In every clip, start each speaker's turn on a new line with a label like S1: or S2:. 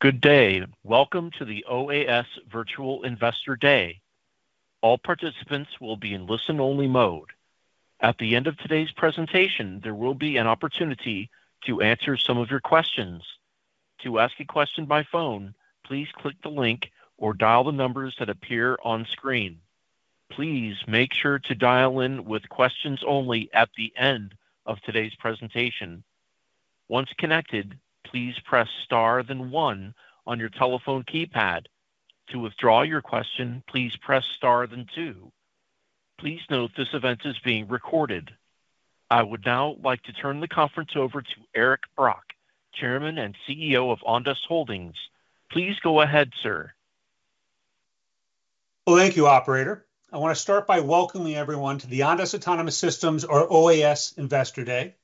S1: Good day. Welcome to the OAS Virtual Investor Day. All participants will be in listen only mode. At the end of today's presentation, there will be an opportunity to answer some of your questions. To ask a question by phone, please click the link or dial the numbers that appear on screen. Please make sure to dial in with questions only at the end of today's presentation. Once connected, please press star then one on your telephone keypad. To withdraw your question, please press star then two. Please note this event is being recorded. I would now like to turn the conference over to Eric Brock, Chairman and CEO of Ondas Holdings Inc. Please go ahead sir.
S2: Thank you, operator. I want to start by welcoming everyone to the Ondas Autonomous Systems or OAS Investor Day.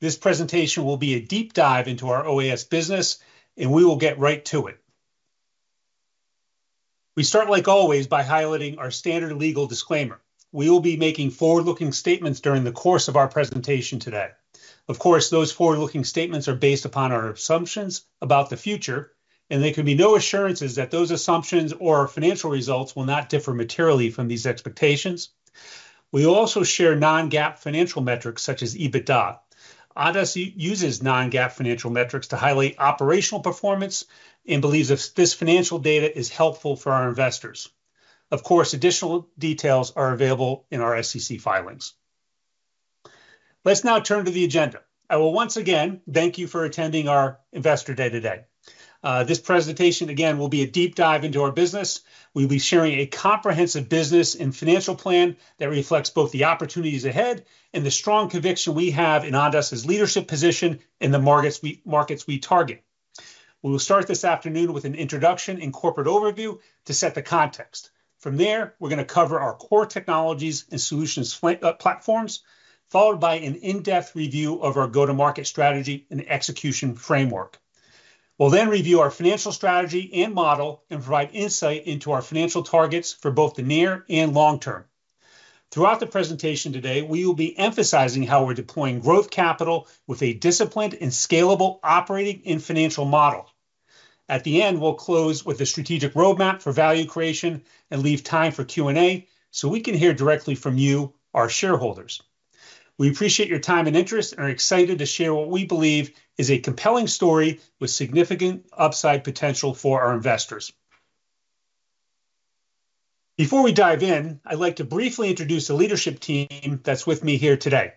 S2: This presentation will be a deep dive into our OAS business and we will get right to it. We start, like always, by highlighting our standard legal disclaimer. We will be making forward-looking statements during the course of our presentation today. Of course, those forward-looking statements are based upon our assumptions about the future and there can be no assurances that those assumptions or financial results will not differ materially from these expectations. We also share non-GAAP financial metrics such as EBITDA. OAS uses non-GAAP financial metrics to highlight operational performance and believes this financial data is helpful for our investors. Of course, additional details are available in our SEC filings. Let's now turn to the agenda. I will once again thank you for attending our Investor Day today. This presentation again will be a deep dive into our business. We'll be sharing a comprehensive business and financial planning that reflects both the opportunities ahead and the strong conviction we have in Ondas's leadership position in the markets we target. We will start this afternoon with an introduction and corporate overview to set the context. From there, we're going to cover our core technologies and solutions platforms, followed by an in-depth review of our go-to-market strategy and execution framework. We'll then review our financial strategy and model and provide insight into our financial targets for both the near and long term. Throughout the presentation today, we will be emphasizing how we're deploying growth capital with a disciplined and scalable operating and financial model. At the end, we'll close with a strategic roadmap for value creation and leave time for Q&A so we can hear directly from you, our shareholders. We appreciate your time and interest and are excited to share what we believe is a compelling story with significant upside potential for our investors. Before we dive in, I'd like to briefly introduce the leadership team that's with me here today.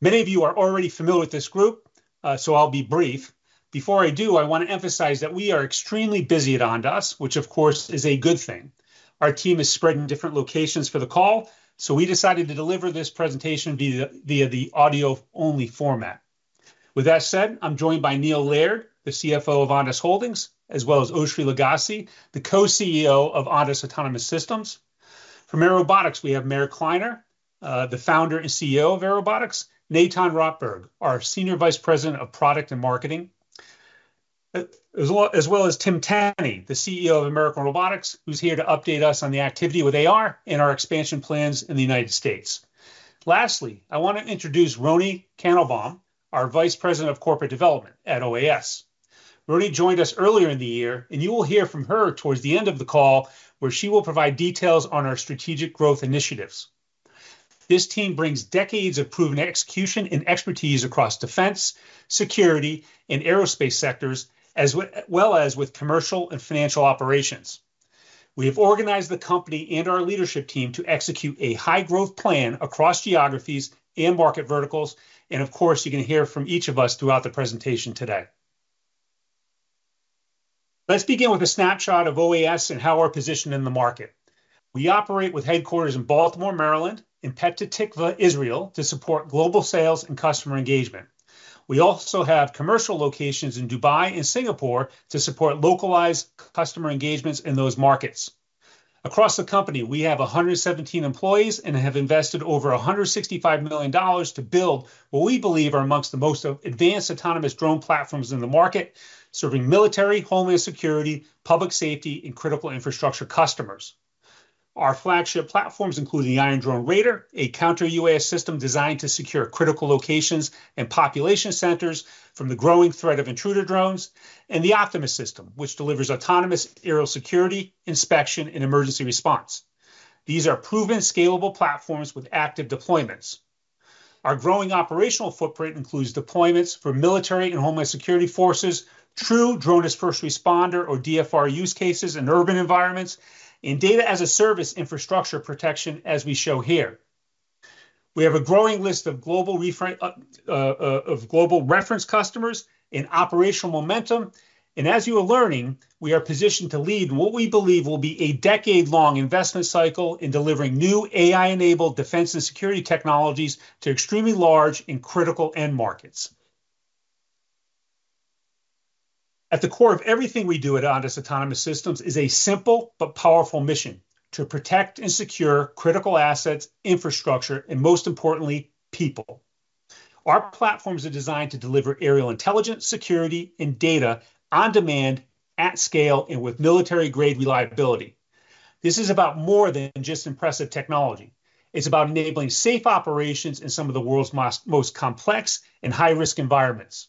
S2: Many of you are already familiar with this group, so I'll be brief. Before I do, I want to emphasize that we are extremely busy at Ondas, which of course is a good thing. Our team is spread in different locations for the call, so we decided to deliver this presentation via the audio-only format. With that said, I'm joined by Neil Laird, the CFO of Ondas Holdings Inc., as well as Oshri Lugassy, the Co-CEO of Ondas Autonomous Systems. From Airobotics we have Meir Kliner, the Founder and CEO of Airobotics, Eitan Rotberg, our Senior Vice President of Product and Marketing, as well as Tim Tenne, the CEO of American Robotics, who's here to update us on the activity with American Robotics and our expansion plans in the United States. Lastly, I want to introduce Roni Kanelbaum, our Vice President of Corporate Development at Ondas Autonomous Systems. Roni joined us earlier in the year and you will hear from her towards the end of the call where she will provide details on our strategic growth initiatives. This team brings decades of proven execution and expertise across defense, security, and aerospace sectors as well as with commercial and financial operations. We have organized the company and our leadership team to execute a high growth plan across geographies and market verticals. Of course, you're going to hear from each of us throughout the presentation today. Let's begin with a snapshot of Ondas Autonomous Systems and how we're positioned in the market. We operate with headquarters in Baltimore, Maryland and Petah Tikva, Israel to support global sales and customer engagement. We also have commercial locations in Dubai and Singapore to support localized customer engagements in those markets. Across the company, we have 117 employees and have invested over $165 million to build what we believe are amongst the most advanced autonomous drone platforms in the market serving military, homeland security, public safety, and critical infrastructure customers. Our flagship platforms include the Iron Drone Raider, a counter-UAS system designed to secure critical locations and population centers from the growing threat of intruder drones, and the Optimus System, which delivers autonomous aerial security, inspection, and emergency response. These are proven, scalable platforms with active deployments. Our growing operational footprint includes deployments for military and homeland security forces, true Drone as First Responder or DFR use cases in urban environments, and data-as-a-service infrastructure protection. As we show here, we have a growing list of global reference customers in operational momentum and as you are learning we are positioned to lead what we believe will be a decade-long investment cycle in delivering new AI-enabled defense and security technologies to extremely large and critical end markets. At the core of everything we do at Ondas Autonomous Systems is a simple but powerful mission to protect and secure critical assets, infrastructure, and most importantly, people. Our platforms are designed to deliver aerial intelligence, security, and data on demand, at scale and with military-grade reliability. This is about more than just impressive technology; it is about enabling safe operations in some of the world's most complex and high-risk environments.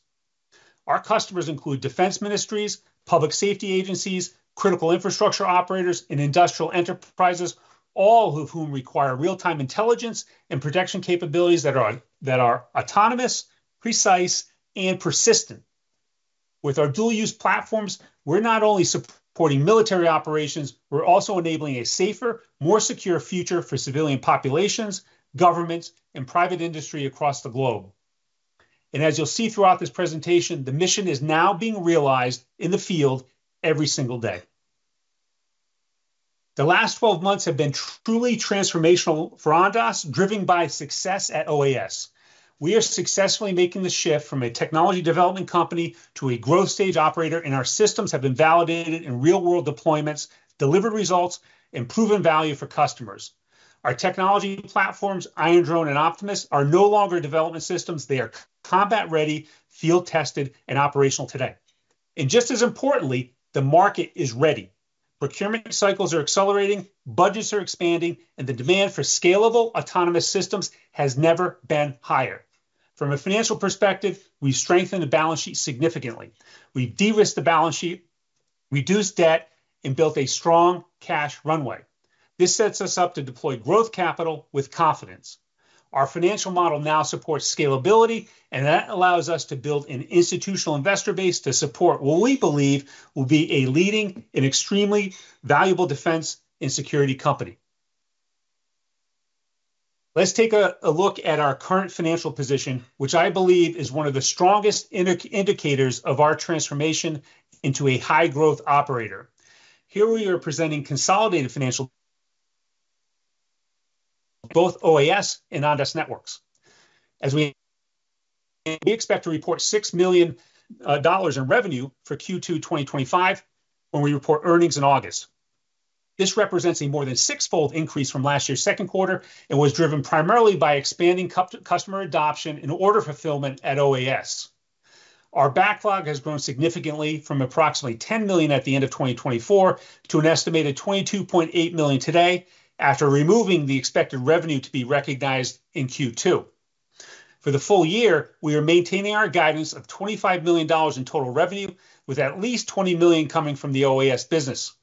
S2: Our customers include defense ministries, public safety agencies, critical infrastructure operators, and industrial enterprises, all of whom require real-time intelligence and protection capabilities that are autonomous, precise, and persistent. With our dual-use platforms, we're not only supporting military operations, we're also enabling a safer, more secure future for civilian populations, governments, and private industry across the globe. As you'll see throughout this presentation, the mission is now being realized in the field every single day. The last 12 months have been truly transformational for Ondas, driven by success at OAS. We are successfully making the shift from a technology development company to a growth-stage operator, and our systems have been validated in real-world deployments and delivered results and proven value for customers. Our technology platforms, Iron Drone Raider and Optimus System, are no longer development systems. They are combat-ready, field-tested, and operational today. Just as importantly, the market is ready, procurement cycles are accelerating, budgets are expanding, and the demand for scalable autonomous systems has never been higher. From a financial perspective, we strengthened the balance sheet significantly. We derisked the balance sheet, reduced debt, and built a strong cash runway. This sets us up to deploy growth capital with confidence. Our financial model now supports scalability, and that allows us to build an institutional investor base to support what we believe will be a leading and extremely valuable defense and security company. Let's take a look at our current financial position, which I believe is one of the strongest indicators of our transformation into a high-growth operator. Here we are presenting consolidated financials, both OAS and Ondas Networks, as we expect to report $6 million in revenue for Q2 2025 when we report earnings in August. This represents a more than sixfold increase from last year's second quarter and was driven primarily by expanding customer adoption in order fulfillment at OAS. Our backlog has grown significantly from approximately $10 million at the end of 2024 to an estimated $22.8 million today. After removing the expected revenue to be recognized in Q2 for the full year, we are maintaining our guidance of $25 million in total revenue, with at least $20 million coming from the OAS business.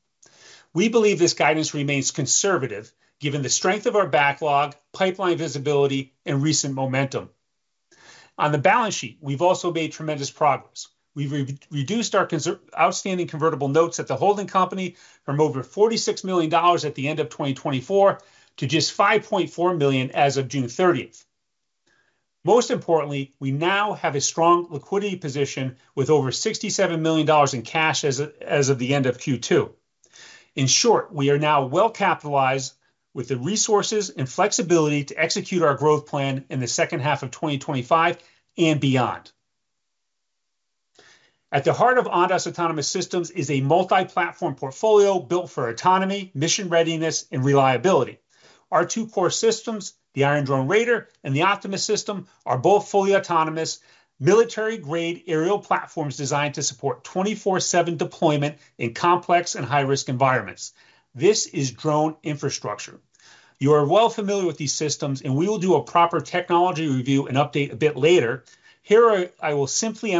S2: We believe this guidance remains conservative given the strength of our backlog, pipeline visibility, and recent momentum on the balance sheet. We've also made tremendous progress. We've reduced our outstanding convertible notes at the holding company from over $46 million at the end of 2024 to just $5.4 million as of June 30th. Most importantly, we now have a strong liquidity position with over $67 million in cash as of the end of Q2. In short, we are now well capitalized with the resources and flexibility to execute our growth plan in the second half of 2025 and beyond. At the heart of Ondas Autonomous Systems is a multi-platform portfolio built for autonomy, mission readiness, and reliability. Our two core systems, the Iron Drone Raider and the Optimus System, are both fully autonomous military-grade aerial platforms designed to support 24/7 deployment in complex and high-risk environments. This is drone infrastructure. You are well familiar with these systems and we will do a proper technology review and update a bit later here. I will simply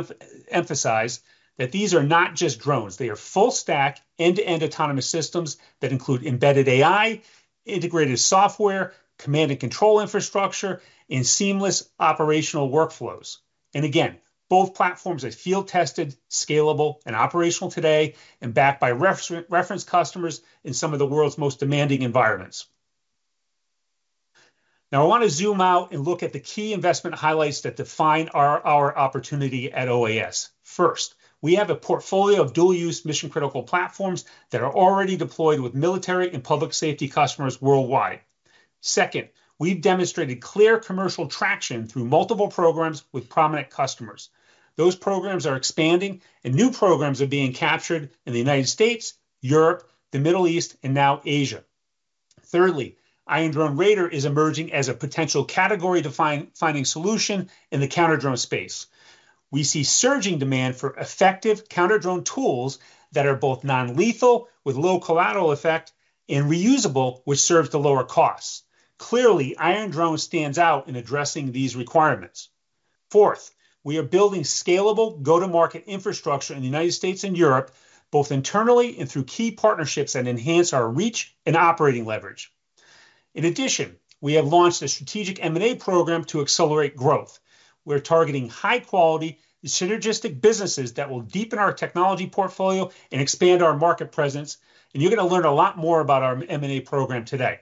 S2: emphasize that these are not just drones, they are full stack end-to-end autonomous systems that include embedded AI, integrated software, command and control infrastructure, and seamless operational workflows. Both platforms are field-tested, scalable, and operational today and backed by reference customers in some of the world's most demanding environments. Now I want to zoom out and look at the key investment highlights that define our opportunity at OAS. First, we have a portfolio of dual-use mission-critical platforms that are already deployed with military and public safety customers worldwide. Second, we've demonstrated clear commercial traction through multiple programs with prominent customers. Those programs are expanding and new programs are being captured in the United States, Europe, the Middle East, and now Asia. Thirdly, Iron Drone Raider is emerging as a potential category-defining solution in the counter drone space. We see surging demand for effective counter drone tools that are both non-lethal with low collateral effect and reusable, which serves to lower costs. Clearly, Iron Drone stands out in addressing these requirements. Fourth, we are building scalable go-to-market infrastructure in the United States and Europe, both internally and through key partnerships that enhance our reach and operating leverage. In addition, we have launched a strategic M&A program to accelerate growth. We're targeting high-quality, synergistic businesses that will deepen our technology portfolio and expand our market presence, and you're going to learn a lot more about our M&A program today.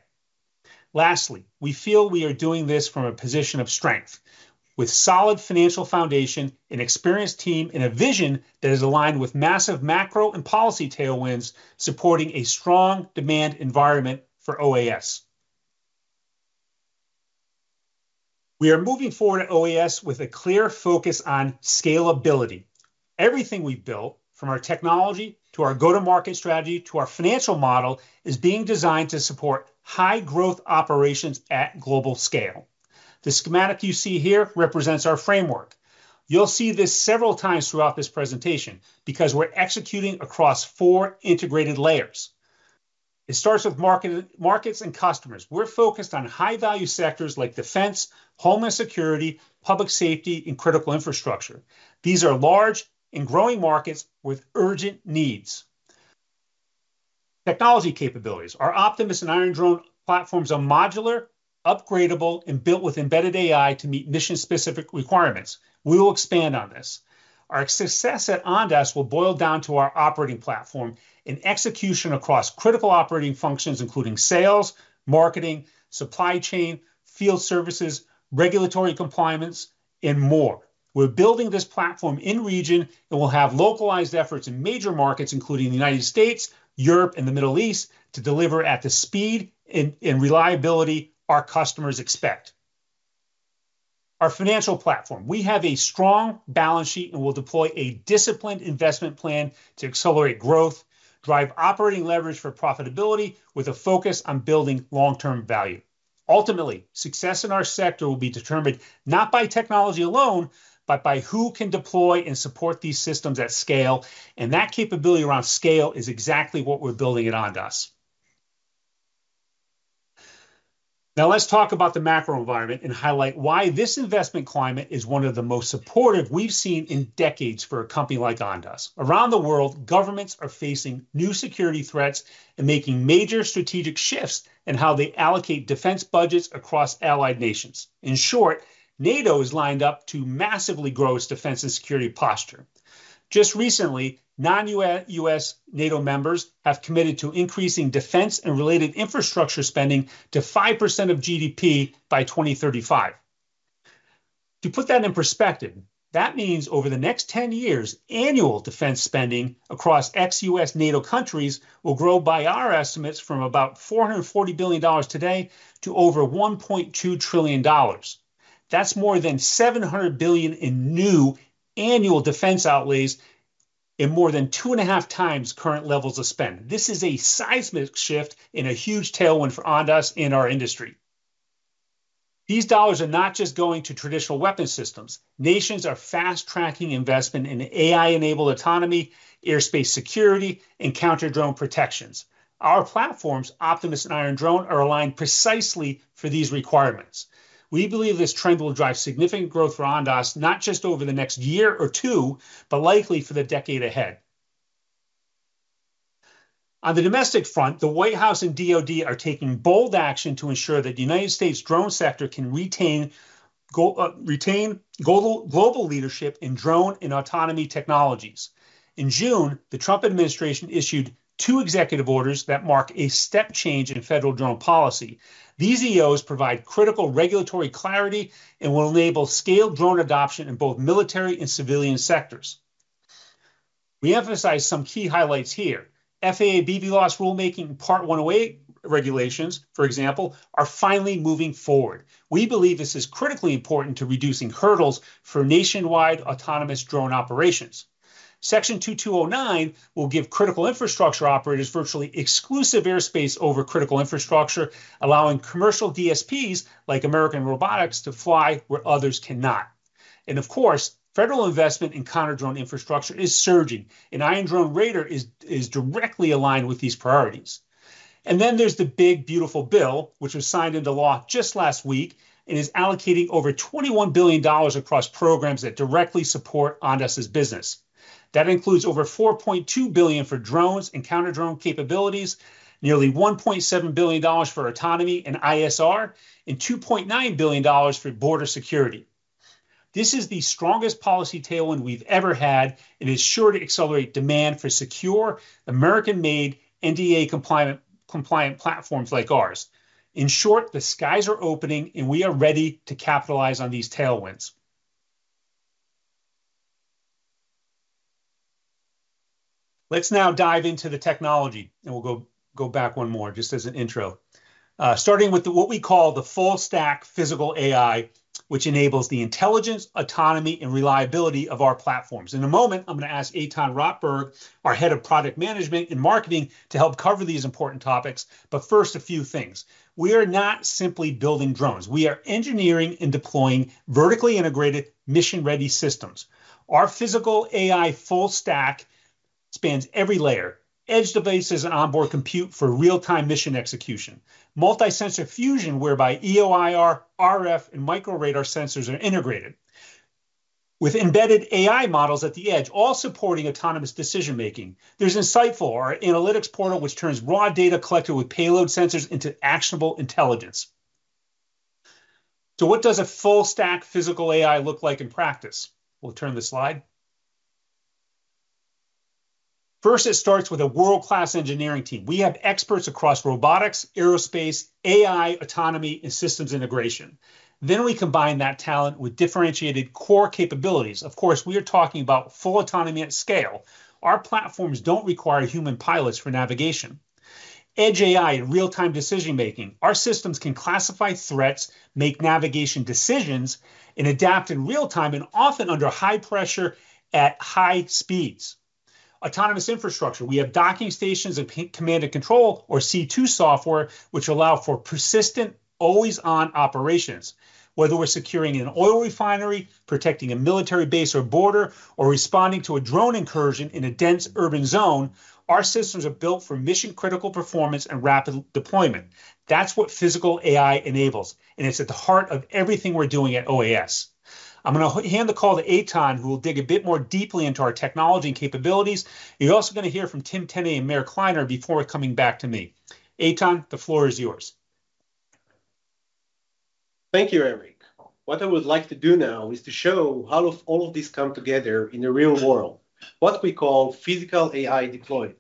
S2: Lastly, we feel we are doing this from a position of strength with a solid financial foundation, an experienced team, and a vision that is aligned with massive macro and policy tailwinds supporting a strong demand environment for OAS. We are moving forward at OAS with a clear focus on scalability. Everything we've built, from our technology to our go-to-market strategy to our financial model, is being designed to support high-growth operations at global scale. The schematic you see here represents our framework. You'll see this several times throughout this presentation because we're executing across four integrated layers. It starts with markets and customers. We're focused on high-value sectors like defense, homeland security, public safety, and critical infrastructure. These are large and growing markets with urgent needs for technology capabilities. Our Optimus and Iron Drone platforms are modular, upgradable, and built with embedded AI to meet mission-specific requirements. We will expand on this. Our success at Ondas will boil down to our operating platform and execution across critical operating functions, including sales, marketing, supply chain, field services, regulatory compliance, and more. We're building this platform in-region and will have localized efforts in major markets, including the United States, Europe, and the Middle East, to deliver at the speed and reliability our customers expect. Our financial platform: we have a strong balance sheet and will deploy a disciplined investment plan to accelerate growth and drive operating leverage for profitability, with a focus on building long-term value. Ultimately, success in our sector will be determined not by technology alone, but by who can deploy and support these systems at scale. That capability around scale is exactly what we're building at Ondas. Now let's talk about the macro environment and highlight why this investment climate is one of the most supportive we've seen in decades for a company like Ondas. Around the world, governments are facing new security threats and making major strategic shifts in how they allocate defense budgets across allied nations. In short, NATO is lined up to massively grow its defense and security posture. Just recently, non-U.S. NATO members have committed to increasing defense and related infrastructure spending to 5% of GDP by 2035. To put that in perspective, that means over the next 10 years, annual defense spending across ex-U.S. NATO countries will grow by our estimates from about $440 billion today to over $1.2 trillion. That's more than $700 billion in new annual defense outlays and more than two and a half times current levels of spend. This is a seismic shift and a huge tailwind for Ondas and our industry. These dollars are not just going to traditional weapons systems. Nations are fast-tracking investment in AI-enabled autonomy in airspace security and counter-drone protections. Our platforms, Optimus System and Iron Drone Raider, are aligned precisely for these requirements. We believe this trend will drive significant growth for Ondas not just over the next year or two, but likely for the decade ahead. On the domestic front, the White House and DOD are taking bold action to ensure that the United States drone sector can retain its global leadership in drone and autonomy technologies. In June, the Trump administration issued two executive orders that mark a step change in federal drone policy. These EOs provide critical regulatory clarity and will enable scaled drone adoption in both military and civilian sectors. We emphasize some key highlights here. FAA BVLOS rulemaking, Part 108 regulations, for example, are finally moving forward. We believe this is critically important to reducing hurdles for nationwide autonomous drone operations. Section 2209 will give critical infrastructure operators virtually exclusive airspace over critical infrastructure, allowing commercial DSPs like American Robotics to fly where others cannot. Of course, federal investment in counter drone infrastructure is surging, and Iron Drone Raider is directly aligned with these priorities. There is the big, beautiful bill, which was signed into law just last week and is allocating over $21 billion across programs that directly support Ondas' business. That includes over $4.2 billion for drones and counter drone capabilities, nearly $1.7 billion for autonomy and ISR, and $2.9 billion for border security. This is the strongest policy tailwind we've ever had and is sure to accelerate demand for secure leadership. American-made, NDAA-compliant platforms like ours. In short, the skies are opening, and we are ready to capitalize on these tailwinds. Let's now dive into the technology. We'll go back one more. As an intro, starting with what we call the full stack Physical AI which enables the intelligence, autonomy, and reliability of our platforms. In a moment I'm going to ask Eitan Rotberg, our Head of Product Management and Marketing, to help cover these important topics. First, a few things. We are not simply building drones. We are engineering and deploying vertically integrated mission-ready systems. Our Physical AI full stack spans every layer, edge devices, and onboard compute for real-time mission execution. Multi-sensor fusion whereby EOIR, RF, and micro radar sensors are integrated with embedded AI models at the edge, all supporting autonomous decision making. There's Insightful, our analytics portal, which turns raw data collected with payload sensors into actionable intelligence. What does a full stack Physical AI look like in practice? We'll turn the slide. First, it starts with a world-class engineering team. We have experts across robotics, aerospace, AI autonomy, and systems integration. Then we combine that talent with differentiated core capabilities. Of course, we are talking about full autonomy at scale. Our platforms don't require human pilots for navigation. Edge AI real-time decision making. Our systems can classify threats, make navigation decisions, and adapt in real time and often under high pressure at high speeds, autonomous infrastructure. We have docking stations and command and control or C2 software which allow for persistent, always-on operations. Whether we're securing an oil refinery, protecting a military base or border, or responding to a drone incursion in a dense urban zone, our systems are built for mission-critical performance and rapid deployment. That's what Physical AI enables and it's at the heart of everything we're doing at OAS. I'm going to hand the call to Eitan who will dig a bit more deeply into our technology and capabilities. You're also going to hear from Tim Tenne and Meir Kliner before coming back to me. Eitan, the floor is yours.
S3: Thank you, Eric. What I would like to do now is to show how all of these come together in the real world. What we call physical AI deploy.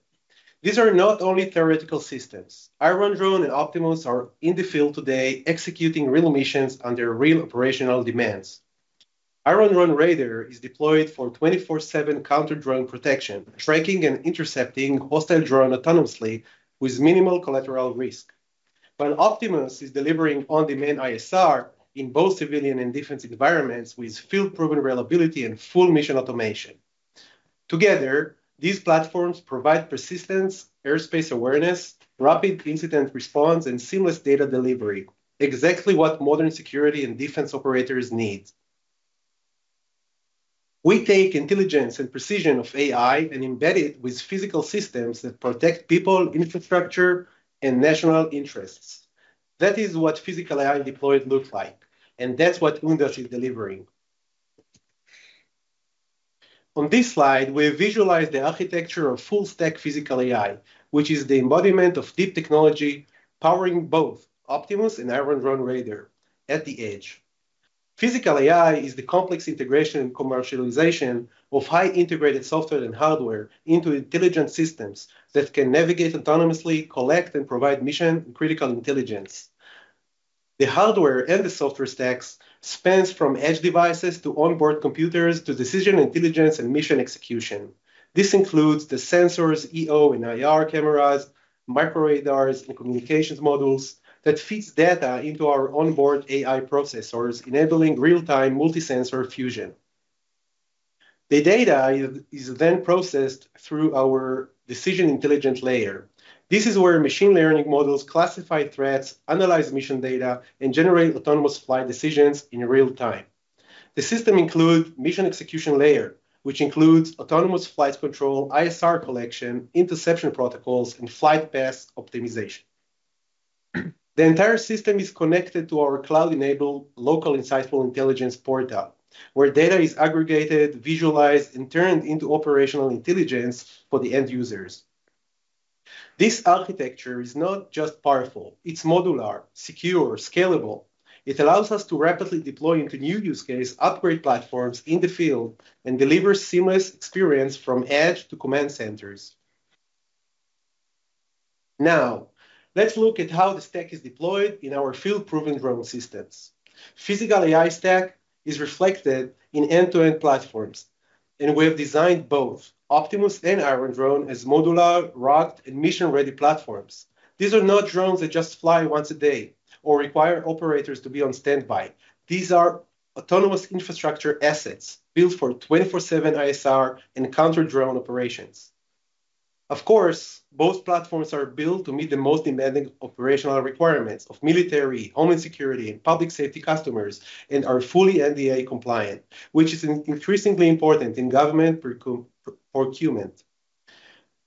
S3: These are not only theoretical systems. Iron Drone and Optimus are in the field today executing real missions under real operational demands. Iron Drone radar is deployed for 24/7 counter drone protection, tracking and intercepting hostile drones autonomously with minimal collateral risk, while Optimus is delivering on-demand ISR in both civilian and defense environments with field-proven reliability and full mission automation. Together these platforms provide persistence, airspace awareness, rapid incident response, and seamless data delivery. Exactly what modern security and defense operators need. We take intelligence and precision of AI and embed it with physical systems that protect people, infrastructure, and national interests. That is what physical AI deployed looks like and that's what Ondas is delivering. On this slide we visualize the architecture of full stack physical AI, which is the embodiment of deep technology powering both Optimus and Iron Drone radar. At the edge, physical AI is the complex integration and commercialization of highly integrated software and hardware into intelligent systems that can navigate autonomously, collect, and provide mission-critical intelligence. The hardware and the software stack spans from edge devices to onboard computers to decision intelligence and mission execution. This includes the sensors, EO and IR cameras, micro radars, and communications modules that feed data into our onboard AI processors, enabling real-time multi-sensor fusion. The data is then processed through our decision intelligence layer. This is where machine learning models classify threats, analyze mission data, and generate autonomous flight decisions in real time. The system includes a mission execution layer, which includes autonomous flight control, ISR collection, interception protocols, and flight path optimization. The entire system is connected to our cloud-enabled local insightful intelligence portal, where data is aggregated, visualized, and turned into operational intelligence for the end users. This architecture is not just powerful, it's modular, secure, and scalable. It allows us to rapidly deploy into new use cases, upgrade platforms in the field, and deliver seamless experience from edge to command centers. Now let's look at how the stack is deployed in our field. Proven drone systems physical AI stack is reflected in end-to-end platforms, and we have designed both Optimus System and Iron Drone Raider as modular, racked, and mission-ready platforms. These are not drones that just fly once a day or require operators to be on standby. These are autonomous infrastructure assets built for 24/7 ISR and counter-UAS operations. Of course, both platforms are built to meet the most demanding operational requirements of military, homeland security, and public safety customers and are fully compliant, which is increasingly important in government procurement.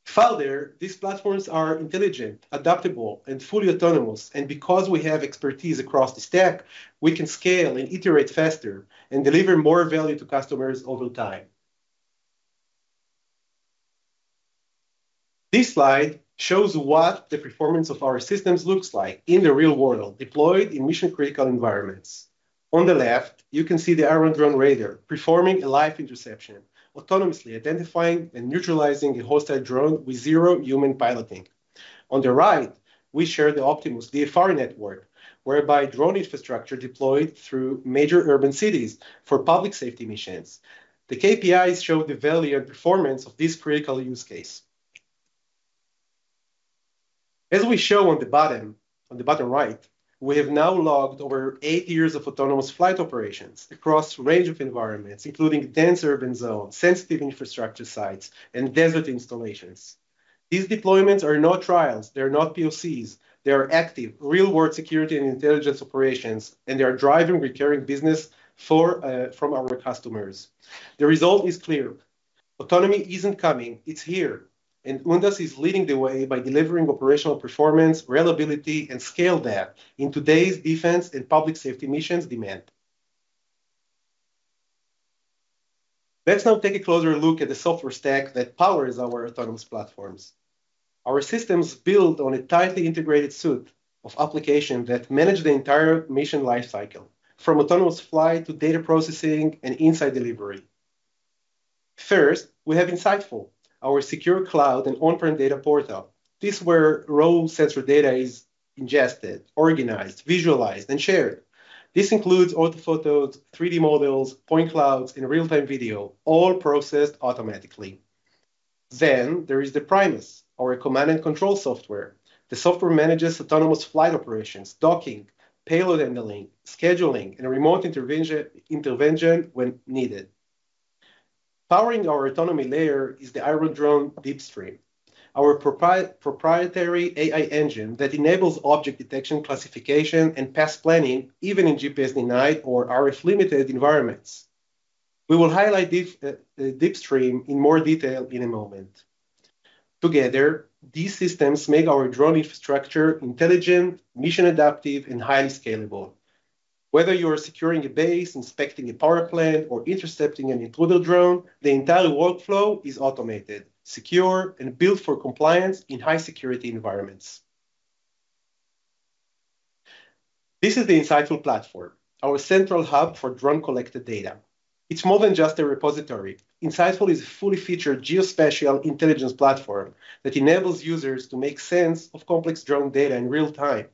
S3: Further, these platforms are intelligent, adaptable, and fully autonomous, and because we have expertise across the stack, we can scale and iterate faster and deliver more value to customers over time. This slide shows what the performance of our systems looks like in the real world deployed in mission-critical environments. On the left, you can see the Iron Drone Raider performing a live interception, autonomously identifying and neutralizing a hostile drone with zero human piloting. On the right, we share the Optimus System DFR network, whereby drone infrastructure is deployed through major urban cities for public safety missions. The KPIs show the value and performance of this critical use case. As we shown on the bottom right, we have now logged over eight years of autonomous flight operations across a range of environments including dense urban zones, sensitive infrastructure sites, and desert installations. These deployments are not trials, they're not POCs. They are active real world security and intelligence operations, and they are driving recurring business from our customers. The result is clear: autonomy isn't coming, it's here, and Ondas is leading the way by delivering operational performance, reliability, and scale that today's defense and public safety missions demand. Let's now take a closer look at the software stack that powers our autonomous platforms. Our systems build on a tightly integrated suite of applications that manage the entire mission lifecycle from autonomous flight to data processing and insight delivery. First, we have Insightful, our secure cloud and on-prem data portal. This is where raw sensor data is ingested, organized, visualized, and shared. This includes orthophotos, 3D models, point clouds, and real time video, all processed automatically. Then there is Primus, our command and control software. The software manages autonomous flight operations, docking, payload handling, scheduling, and remote intervention when needed. Powering our autonomy layer is the Iron Drone Deepstream, our proprietary AI engine that enables object detection, classification, and path planning even in GPS-denied or RF-limited environments. We will highlight Deepstream in more detail in a moment. Together, these systems make our drone infrastructure intelligent, mission-adaptive, and highly scalable. Whether you are securing a base, inspecting a power plant, or intercepting an intruder drone, the entire workflow is automated, secure, and built for compliance in high security environments. This is the Insightful platform, our central hub for drone-collected data. It's more than just a repository. Insightful is a fully featured geospatial intelligence platform that enables users to make sense of complex drone data in real time.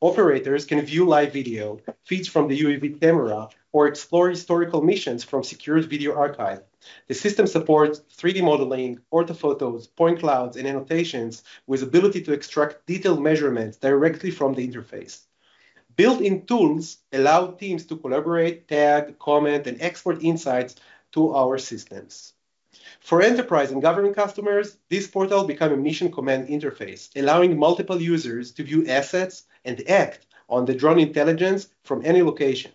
S3: Operators can view live video feeds from the UAV camera or explore historical missions from a secured video archive. The system supports 3D modeling, orthophotos, point clouds, and annotations with the ability to extract detailed measurements directly from the interface. Built-in tools allow teams to collaborate, tag, comment, and export insights to our systems. For enterprise and government customers, this portal becomes a mission command interface allowing multiple users to view assets and act on the drone intelligence from any locations.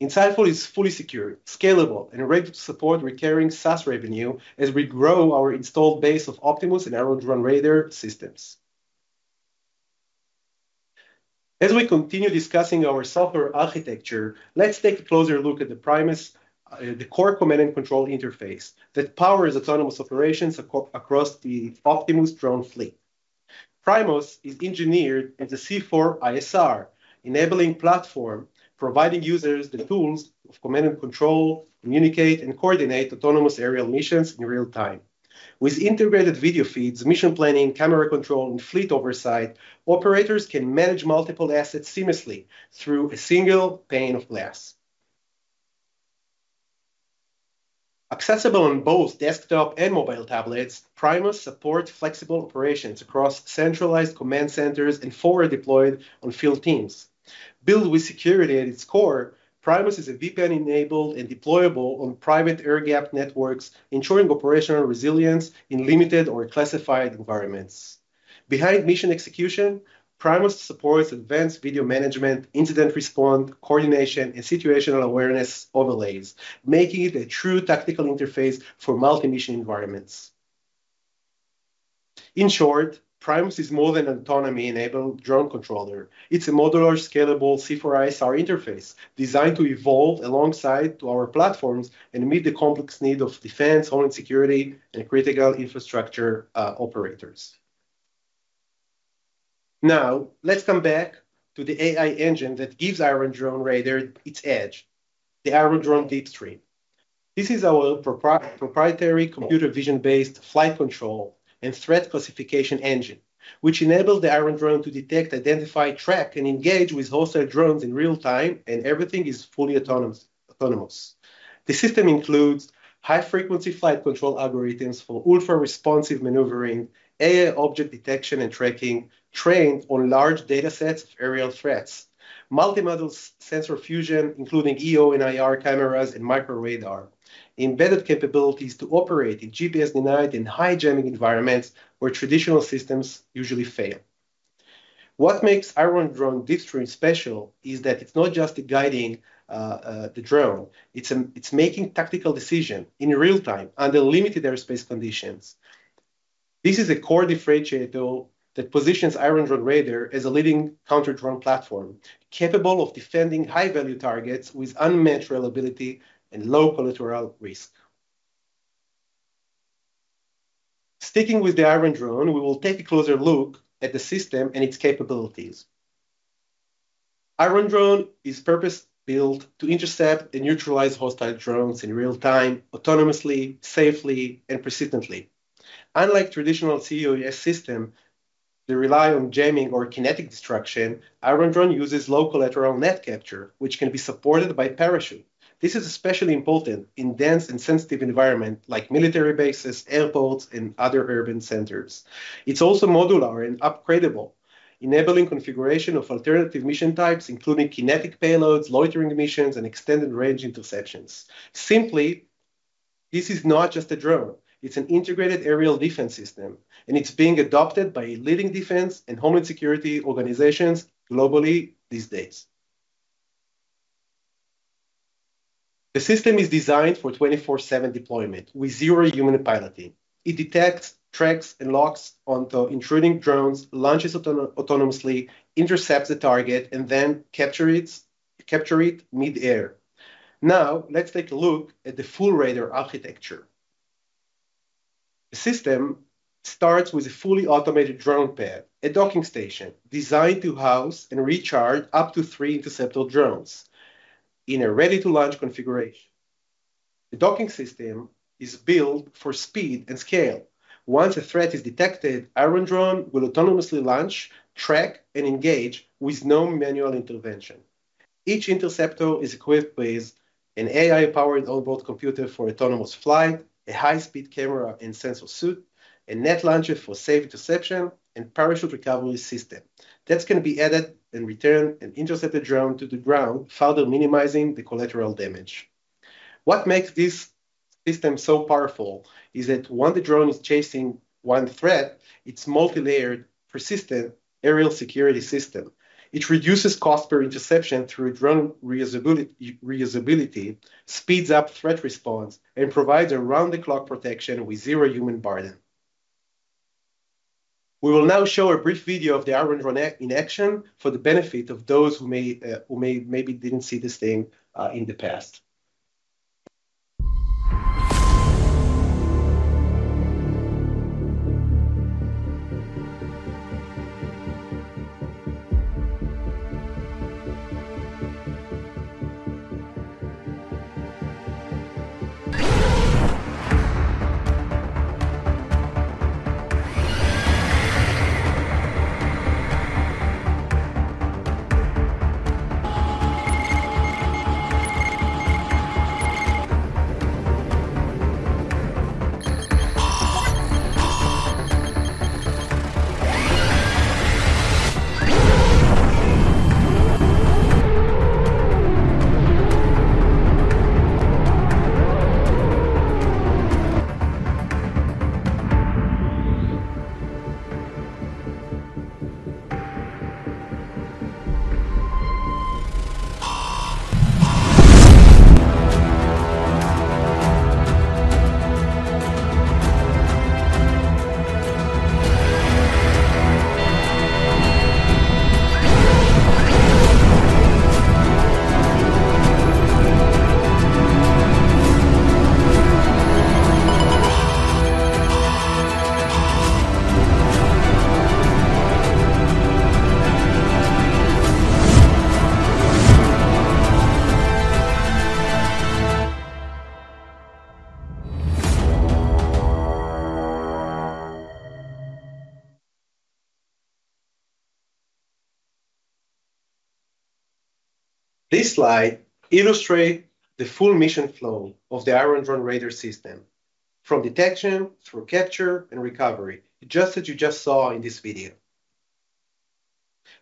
S3: Insightful is fully secure, scalable, and ready to support recurring SaaS revenue as we grow our installed base of Optimus and Iron Drone radar systems. As we continue discussing our software architecture, let's take a closer look at the Primus, the core command and control interface that powers autonomous operations across the Optimus drone fleet. Primus is engineered as a C4ISR enabling platform, providing users the tools of command and control, communicate, and coordinate autonomous aerial missions in real time. With integrated video feeds, mission planning, camera control, and fleet oversight, operators can manage multiple assets seamlessly through a single pane of glass. Accessible on both desktop and mobile tablets, Primus supports flexible operations across centralized command centers and forward deployed on field teams. Built with security at its core, Primus is VPN enabled and deployable on private air-gapped networks, ensuring operational resilience in limited or classified environments. Behind mission execution, Primus supports advanced video management, incident response coordination, and situational awareness overlays, making it a true tactical interface for multi-mission environments. In short, Primus is more than an autonomy-enabled drone controller, it's a modular, scalable C4ISR interface designed to evolve alongside our platforms and meet the complex needs of defense, homeland security, and critical infrastructure operators. Now let's come back to the AI engine that gives Iron Drone radar its edge: the Iron Drone Deepstream. This is our proprietary computer vision-based flight control and threat classification engine, which enables the Iron Drone to detect, identify, track, and engage with hostile drones in real time, and everything is fully autonomous. The system includes high-frequency flight control algorithms for ultra-responsive maneuvering, AI object detection and tracking trained on large data sets of aerial threats, multimodal sensor fusion including EO and IR cameras, and micro radar embedded capabilities to operate in GPS-denied and high jamming environments where traditional systems usually fail. What makes Iron Drone Deepstream special is that it's not just guiding the drone, it's making tactical decisions in real time under limited airspace conditions. This is a core differentiator that positions Iron Drone Raider as a leading counter-UAS platform capable of defending high value targets with unmet reliability and low collateral risk. Sticking with the Iron Drone Raider, we will take a closer look at the system and its capabilities. Iron Drone Raider is purpose built to intercept and neutralize hostile drones in real time, autonomously, safely, and persistently. Unlike traditional counter-UAS systems that rely on jamming or kinetic destruction, Iron Drone Raider uses low collateral net capture, which can be supported by parachute. This is especially important in dense and sensitive environments like military bases, airports, and other urban centers. It's also modular and upgradable, enabling configuration of alternative mission types including kinetic payloads, loitering missions, and extended range interceptions. Simply, this is not just a drone. It's an integrated aerial defense system. It's being adopted by leading defense and homeland security organizations globally these days. The system is designed for 24/7 deployment with zero human piloting. It detects, tracks, and locks onto intruding drones, launches autonomously, intercepts the target, and then captures it mid air. Now let's take a look at the full radar architecture. The system starts with a fully automated drone pad, a docking station designed to house and recharge up to three interceptor drones in a ready to launch configuration. The docking system is built for speed and scale. Once a threat is detected, Iron Drone Raider will autonomously launch, track, and engage with no manual intervention. Each interceptor is equipped with an AI powered onboard computer for autonomous flight, a high speed camera and sensor suite, a net launcher for safe interception, and a parachute recovery system that can be added and return an intercepted drone to the ground, further minimizing the collateral damage. What makes this system so powerful is that when the drone is chasing one threat, it's a multi-layered persistent aerial security system. It reduces cost per interception through drone reusability, speeds up threat response, and provides around the clock protection with zero human burden. We will now show a brief video of the Iron Drone Raider in action for the benefit of those who maybe didn't see this thing in the past. It. This slide illustrates the full mission flow of the Iron Drone Raider system from detection through capture and recovery. Just as you just saw in this video,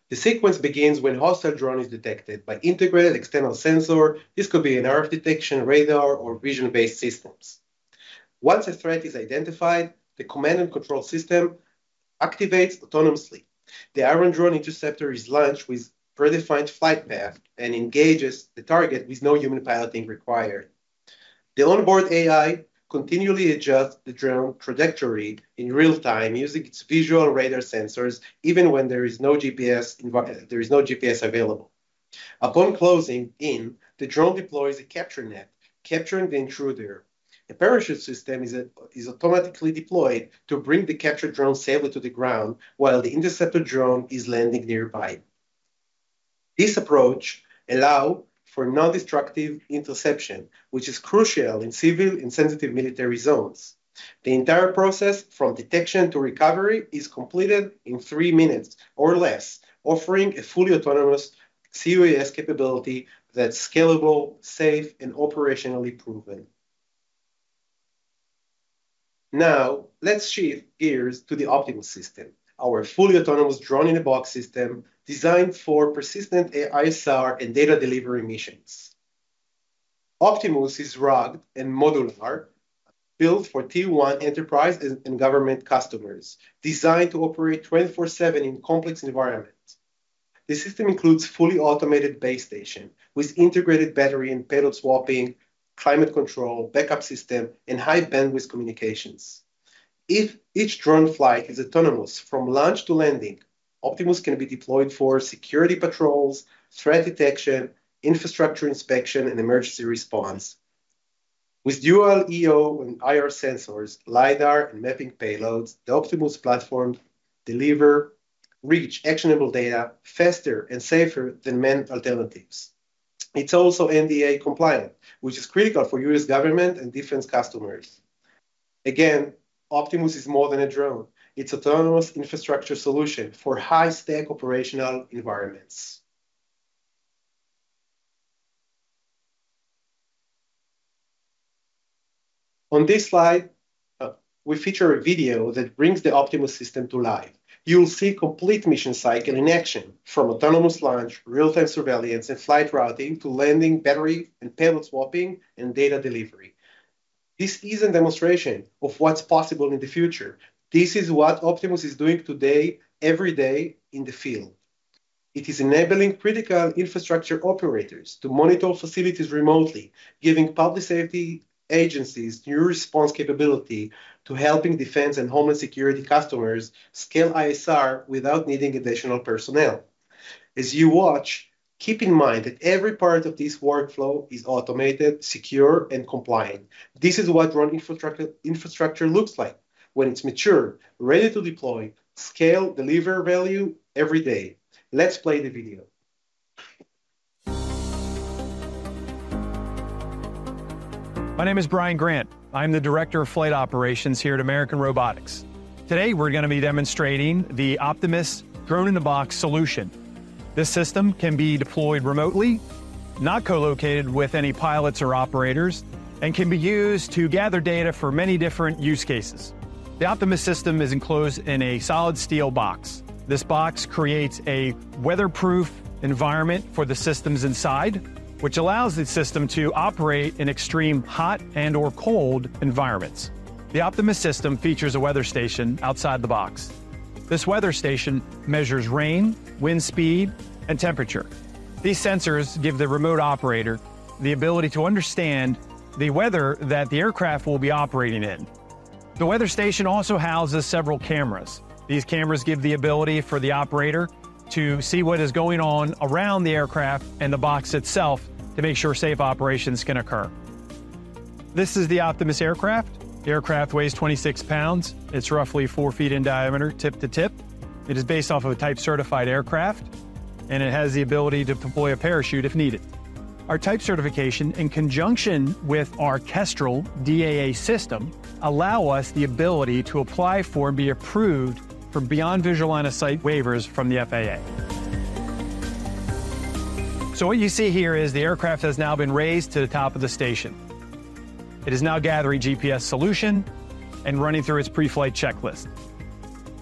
S3: the sequence begins when hostile drone is detected by integrated external sensor. This could be an earth detection radar or vision-based systems. Once a threat is identified, the command and control system activates autonomously. The Iron Drone interceptor is launched with predefined flight path and engages the target with no human piloting required. The onboard AI continually adjusts the drone trajectory in real time using its visual radar sensors. Even when there is no GPS available. Upon closing in, the drone deploys a capture net, capturing the intruder. A parachute system is automatically deployed to bring the captured drone safely to the ground while the interceptor drone is landing nearby. This approach allows for non-destructive interception which is crucial in civil and sensitive military zones. The entire process from detection to recovery is completed in three minutes or less, offering a fully autonomous counter-UAS capability that's scalable, safe, and operationally proven. Now let's shift gears to the Optimus System, our fully autonomous drone-in-a-box system designed for persistent ISR and data delivery missions. Optimus is rugged and modular, built for Tier 1, enterprise, and government customers. Designed to operate 24/7 in complex environments, the system includes fully automated base station with integrated battery and payload swapping, climate control backup system, and high bandwidth communications. Each drone flight is autonomous from launch to landing. Optimus can be deployed for security patrols, threat detection, infrastructure inspection, and emergency response. With dual EO and IR sensors, LIDAR, and mapping payloads, the Optimus platform delivers rich actionable data faster and safer than many alternatives. It's also NDAA compliant, which is critical for U.S. government and defense customers. Again, Optimus is more than a drone. It's an autonomous infrastructure solution for high stack operational environments. On this slide we feature a video that brings the Optimus System to life. You'll see complete mission cycle in action, from autonomous launch, real-time surveillance and flight routing to landing, battery and payload swapping, and data delivery. This is a demonstration of what's possible in the future. This is what Optimus is doing today. Every day in the field it is enabling critical infrastructure operators to monitor facilities remotely, giving public safety agencies new response capability, to helping defense and homeland security customers scale ISR without needing additional personnel. As you watch, keep in mind that every part of this workflow is automated, secure, and compliant. This is what run infrastructure looks like when it's mature, ready to deploy, scale, deliver value every day. Let's play the video. My name is Brian Grant. I'm the Director of Flight Operations here at American Robotics. Today we're going to be demonstrating the Optimus drone-in-a-box solution. This system can be deployed remotely, not co-located with any pilots or operators, and can be used to gather data for many different use cases. The Optimus System is enclosed in a solid steel box. This box creates a weatherproof environment for the systems inside, which allows the system to operate in extreme hot and/or cold environments. The Optimus System features a weather station outside the box. This weather station measures rain, wind speed, and temperature. These sensors give the remote operator the ability to understand the weather that the aircraft will be operating in. The weather station also houses several cameras. These cameras give the ability for the operator to see what is going on around the aircraft and the box itself to make sure safe operations can occur. This is the Optimus aircraft. The aircraft weighs 26 pounds. It's roughly 4 ft in diameter, tip to tip. It is based off of a type certified aircraft, and it has the ability to deploy a parachute if needed. Our type certification is in conjunction with our Kestrel DAA system, allowing us the ability to apply for and be approved for beyond visual line of sight waivers from the FAA. What you see here is the aircraft has now been raised to the top of the station. It is now gathering GPS solution and running through its pre-flight checklist.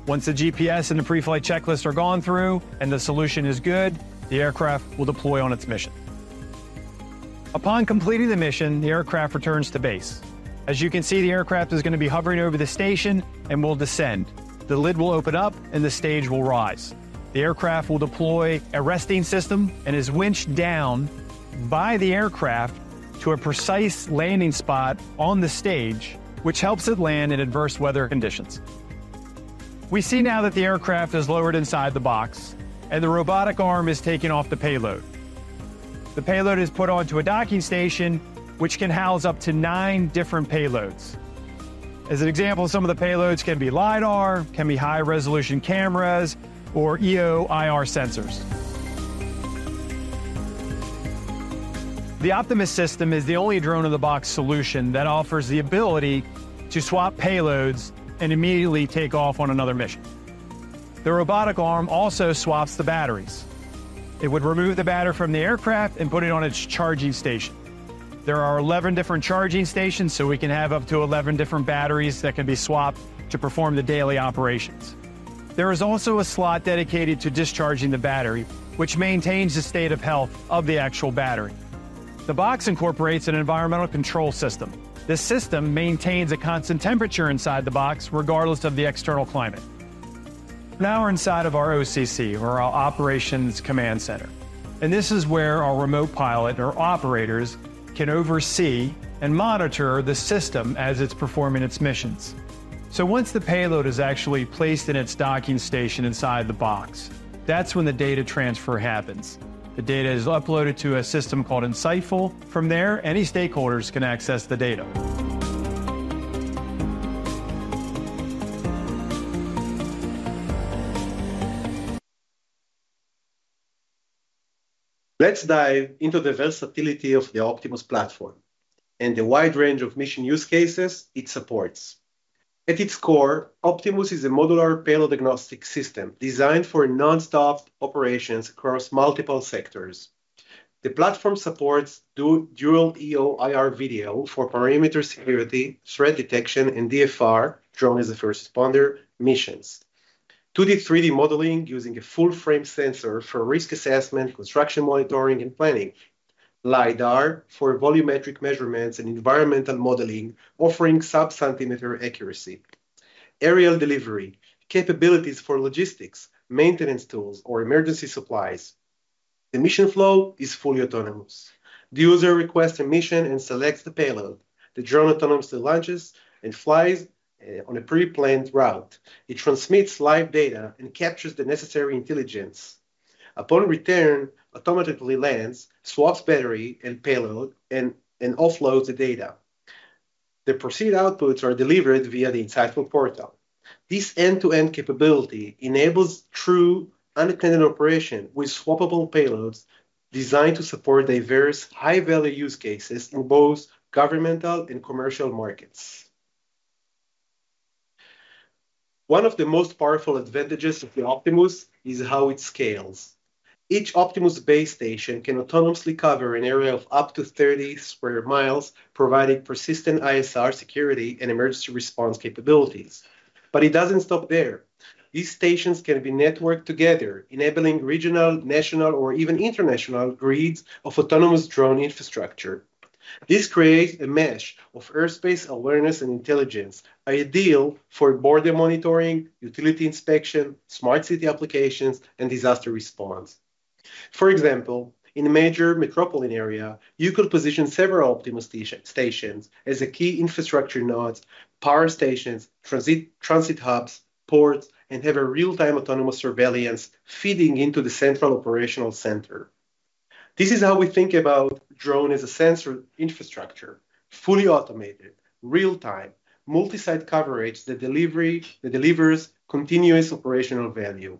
S3: Once the GPS and the pre-flight checklist are gone through and the solution is going good, the aircraft will deploy on its mission. Upon completing the mission, the aircraft returns to base. As you can see, the aircraft is going to be hovering over the station and will descend. The lid will open up and the stage will rise. The aircraft will deploy a resting system and is winched down by the aircraft to a precise landing spot on the stage, which helps it land in adverse weather conditions. We see now that the aircraft is lowered inside the box and the robotic arm is taken off the payload. The payload is put onto a docking station, which can house up to nine different payloads. As an example, some of the payloads can be LiDAR, can be high-resolution cameras, or EO/IR sensors. The Optimus System is the only drone-in-a-box solution that offers the ability to swap payloads and immediately take off on another mission. The robotic arm also swaps the batteries. It would remove the battery from the aircraft and put it on its charging station. There are 11 different charging stations, so we can have up to 11 different batteries that can be swapped to perform the daily operations. There is also a slot dedicated to discharging the battery, which maintains the state of health of the actual battery. The box incorporates an environmental control system. This system maintains a constant temperature inside the box regardless of the external climate. Now we're inside of our OCC, or our Operations Command Center. This is where our remote pilot or operators can oversee and monitor the system as it's performing its missions. Once the payload is actually placed in its docking station inside the box, that's when the data transfer happens. The data is uploaded to a system called Insightful. From there, any stakeholders can access the data. Let's dive into the versatility of the Optimus System and the wide range of mission use cases it supports. At its core, Optimus is a modular payload diagnostic system designed for nonstop operations across multiple sectors. The platform supports dual EO/IR video for perimeter security, threat detection, and DFR, drone as a first responder missions, 2D/3D modeling using a full-frame sensor for risk assessment, construction monitoring and planning, LiDAR for volumetric measurements and environmental modeling offering sub-centimeter accuracy, aerial delivery capabilities for logistics, maintenance tools, or emergency supplies. The mission flow is fully autonomous. The user requests a mission and selects the payload. The drone autonomously launches and flies on a preplanned route. It transmits live data and captures the necessary intelligence. Upon return, it automatically lands, swaps battery and payload, and offloads the data. The processed outputs are delivered via the Insightful portal. This end-to-end capability enables true unattended operation with swappable payloads designed to support diverse high-value use cases in both governmental and commercial markets. One of the most powerful advantages of the Optimus is how it scales. Each Optimus base station can autonomously cover an area of up to 30 sq mi, providing persistent ISR, security, and emergency response capabilities. These stations can be networked together, enabling regional, national, or even international grids of autonomous drone infrastructure. This creates a mesh of airspace awareness and intelligence ideal for border monitoring, utility inspection, smart city applications, and disaster response. For example, in a major metropolitan area, you could position several Optimus stations as key infrastructure nodes, power stations, transit hubs, ports, and have real-time autonomous surveillance feeding into the central operational center. This is how we think about drone as a sensor infrastructure: fully automated, real-time, multi-site coverage that delivers continuous operational value.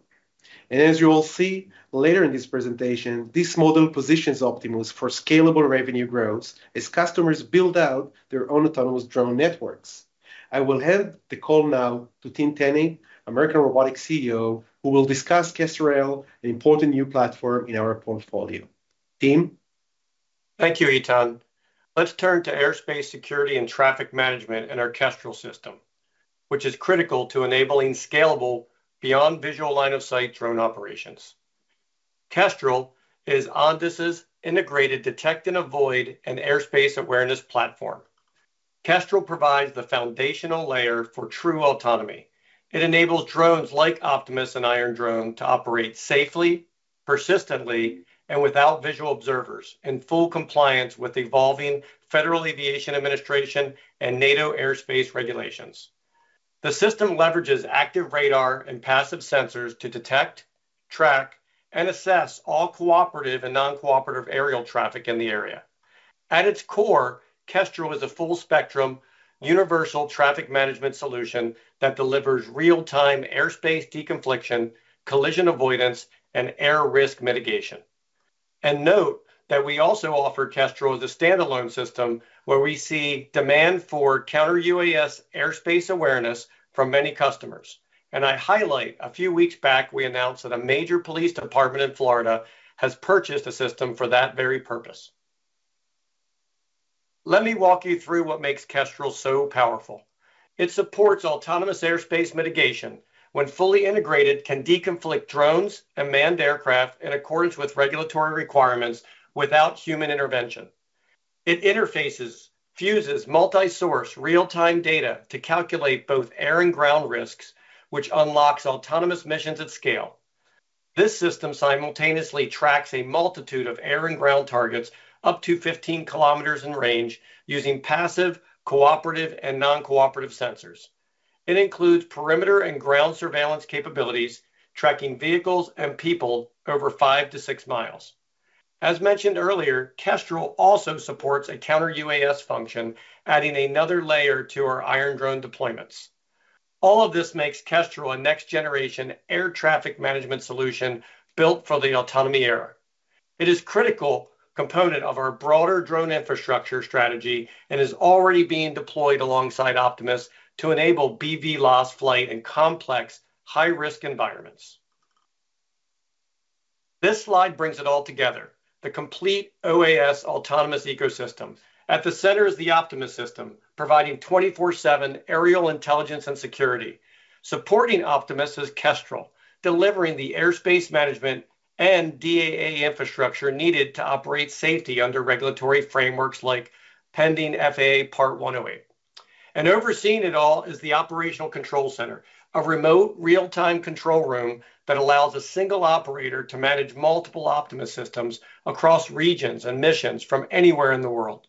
S3: As you will see later in this presentation, this model positions Optimus for scalable revenue growth as customers build out their own autonomous drone networks. I will hand the call now to Tim Tenne, American Robotics CEO, who will discuss Kestrel, an important new platform in our portfolio. Tim,
S4: thank you, Eitan. Let's turn to airspace security and traffic management and our Kestrel system, which is critical to enabling scalable beyond visual line of sight drone operations. Kestrel is Ondas's integrated detect and avoid and airspace awareness platform. Kestrel provides the foundational layer for true autonomy. It enables drones like Optimus and Iron Drone Raider to operate safely, persistently, and without visual observers in full compliance with evolving FAA and NATO airspace regulations. The system leverages active radar and passive sensors to detect, track, and assess all cooperative and non-cooperative aerial traffic in the area. At its core, Kestrel is a full spectrum universal traffic management solution that delivers real-time airspace deconfliction, collision avoidance, and air risk mitigation. We also offer Kestrel as a standalone system where we see demand for counter-UAS airspace awareness from many customers. A few weeks back, we announced that a major police department in Florida has purchased a system for that very purpose. Let me walk you through what makes Kestrel so powerful. It supports autonomous airspace mitigation when fully integrated, can deconflict drones and manned aircraft in accordance with regulatory requirements without human intervention. It interfaces and fuses multi-source real-time data to calculate both air and ground risks, which unlocks autonomous missions at scale. This system simultaneously tracks a multitude of air and ground targets up to 15 km in range using passive, cooperative, and non-cooperative sensors. It includes perimeter and ground surveillance capabilities, tracking vehicles and people over 5- 6 mi. As mentioned earlier, Kestrel also supports a counter-UAS function, adding another layer to our Iron Drone Raider deployments. All of this makes Kestrel a next-generation air traffic management solution built for the autonomy era. It is a critical component of our broader drone infrastructure strategy and is already being deployed alongside Optimus to enable BVLOS flight and complex high-risk environments. This slide brings it all together: the complete OAS autonomous ecosystem. At the center is the Optimus System, providing 24/7 aerial intelligence and security. Supporting Optimus is Kestrel, delivering the airspace management and DAA infrastructure needed to operate safely under regulatory frameworks like pending FAA Part 108. Overseeing it all is the Operational Control Center, a remote real-time control room that allows a single operator to manage multiple Optimus Systems across regions and missions from anywhere in the world.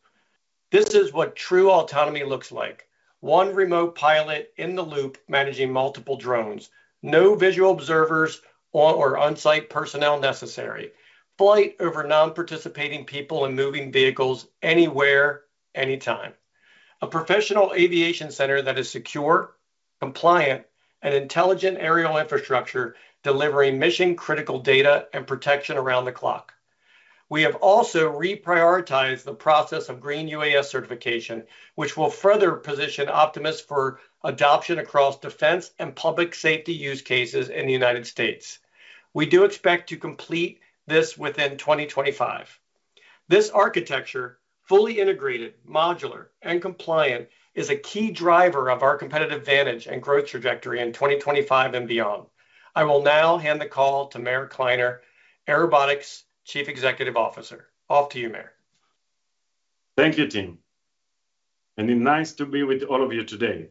S4: This is what true autonomy looks like. One remote pilot in the loop managing multiple drones, no visual observers or on-site personnel necessary. Flight over non-participating people and moving vehicles anywhere, anytime. A professional aviation center that is secure, compliant, and intelligent aerial infrastructure delivering mission-critical data and protection around the clock. We have also reprioritized the process of Green UAS certification, which will further position Optimus for adoption across defense and public safety use cases in the United States. We do expect to complete this within 2025. This architecture, fully integrated, modular, and compliant, is a key driver of our competitive advantage and growth trajectory in 2025 and beyond. I will now hand the call to Meir Kliner, Airobotics Chief Executive Officer. Off to you Meir.
S5: Thank you Tim. It's nice to be with all of you today.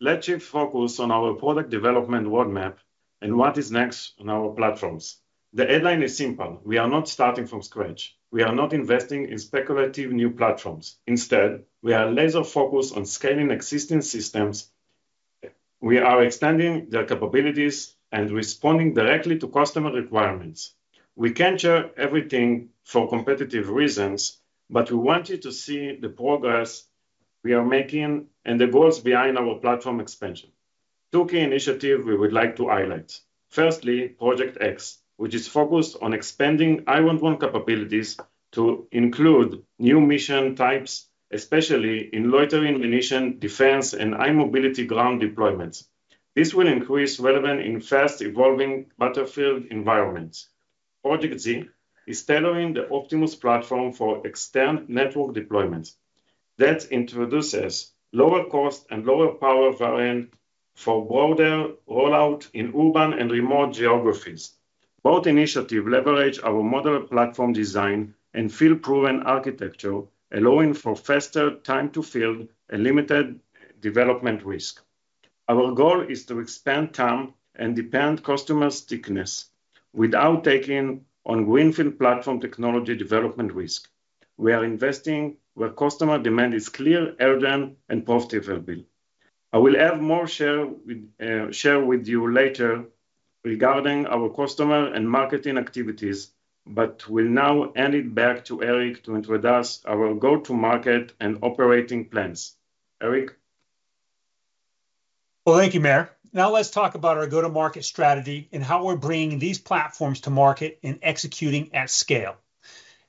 S5: Let's shift focus on our product development roadmap and what is next on our platforms. The headline is simple. We are not starting from scratch. We are not investing in speculative new platforms. Instead, we are laser focused on scaling existing systems. We are extending their capabilities and responding directly to customer requirements. We can't share everything for competitive reasons, but we want you to see the progress we are making and the goals behind our platform expansion. Two key initiatives we would like to highlight. Firstly, Project X, which is focused on expanding I want one capabilities to include new mission types, especially in loitering, munition, defense, and high mobility ground deployments. This will increase relevance in fast evolving battlefield environments. Project Z is tailoring the Optimus System for external network deployments that introduces a lower cost and lower power variant for broader rollout in urban and remote geographies. Both initiatives leverage our modern platform design and field proven architecture, allowing for faster time to field and limited development risk. Our goal is to expand time and deepen customer stickiness without taking on greenfield platform technology development risk. We are investing where customer demand is clear, urgent, and profitable. I will have more to share with you later regarding our customer and marketing activities, but will now hand it back to Eric to introduce our go to market and operating plans. Eric.
S2: Thank you, Meir. Now let's talk about our go to market strategy and how we're bringing these platforms to market and executing at scale.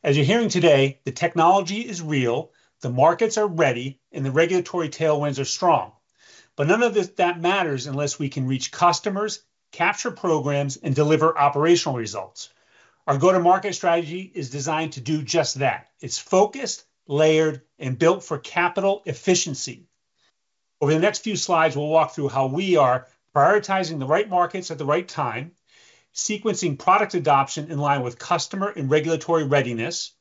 S2: As you're hearing today, the technology is real, the markets are ready, and the regulatory tailwinds are strong. None of that matters unless we can reach customers, capture programs, and deliver operational results. Our go to market strategy is designed to do just that. It's focused, layered, and built for capital efficiency. Over the next few slides, we'll walk through how we are prioritizing the right markets at the right time, sequencing product adoption in line with customer and regulatory readiness,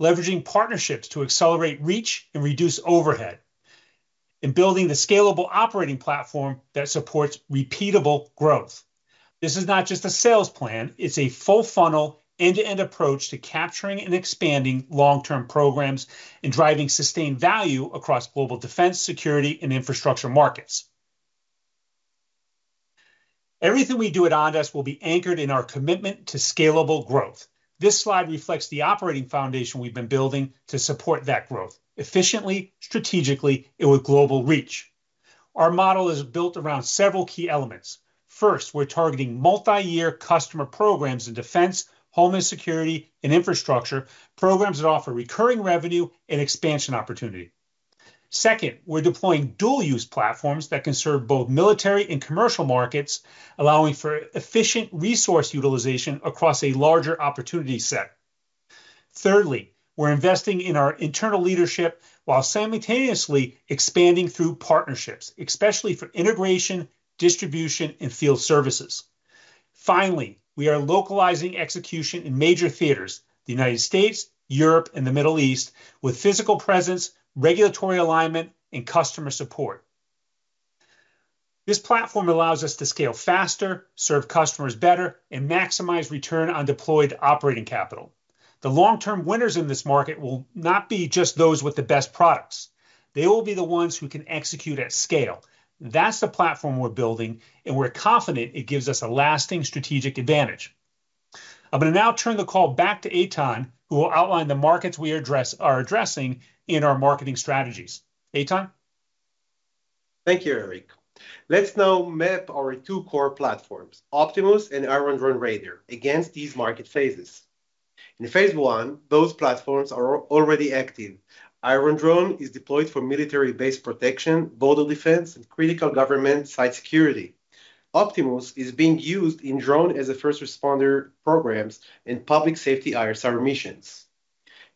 S2: leveraging partnerships to accelerate reach and reduce overhead, and building the scalable operating platform that supports repeatable growth. This is not just a sales plan, it's a full funnel, end to end approach to capturing and expanding long term programs and driving sustained value across global defense, security, and infrastructure markets. Everything we do at Ondas will be anchored in our commitment to scalable growth. This slide reflects the operating foundation we've been building to support that growth efficiently, strategically, and with global reach. Our model is built around several key elements. First, we're targeting multi year customer programs in defense, homeland security, and infrastructure programs that offer recurring revenue and expansion opportunity. Second, we're deploying dual use platforms that can serve both military and commercial markets, allowing for efficient resource utilization across a larger opportunity set. Thirdly, we're investing in our internal leadership while simultaneously expanding through partnerships, especially for integration, distribution, and field services. Finally, we are localizing execution in major theaters: the United States, Europe, and the Middle East, with physical presence, regulatory alignment, and customer support. This platform allows us to scale faster, serve customers better, and maximize return on deployed operating capital. The long term winners in this market will not be just those with the best products, they will be the ones who can execute at scale. That's the platform we're building, and we're confident it gives us a lasting strategic advantage. I'm going to now turn the call back to Eitan, who will outline the markets we are addressing in our marketing strategies. Eitan.
S3: Thank you, Eric. Let's now map our two core platforms, Optimus and Iron Drone Raider, against these market phases. In phase one, those platforms are already active. Iron Drone is deployed for military base protection, border defense, and critical government site security. Optimus is being used in drone-as-a-first-responder programs and public safety ISR missions.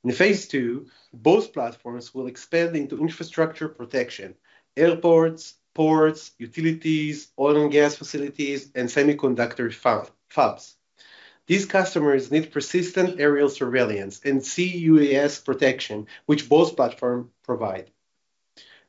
S3: In phase two, both platforms will expand into infrastructure protection, airports, ports, utilities, oil and gas facilities, and semiconductor fabs. These customers need persistent aerial surveillance and C-UAS protection, which both platforms provide.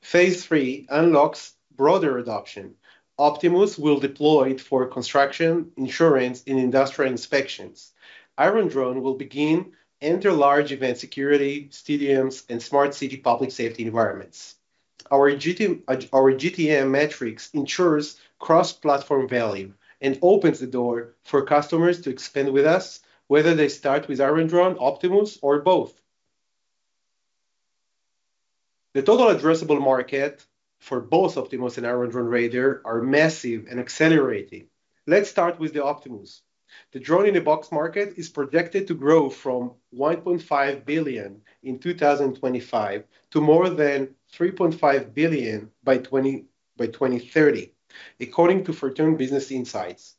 S3: Phase three unlocks broader adoption. Optimus will deploy for construction, insurance, and industrial inspections. Iron Drone will begin to enter large event security, stadiums, and smart city public safety environments. Our GTM metrics ensure cross-platform value and open the door for customers to expand with us whether they start with Iron Drone, Optimus, or both. The total addressable market for both Optimus and Iron Drone Raider is massive and accelerating. Let's start with Optimus. The drone-in-a-box market is projected to grow from $1.5 billion in 2025 to more than $3.5 billion by 2030, according to Fortune Business Insights.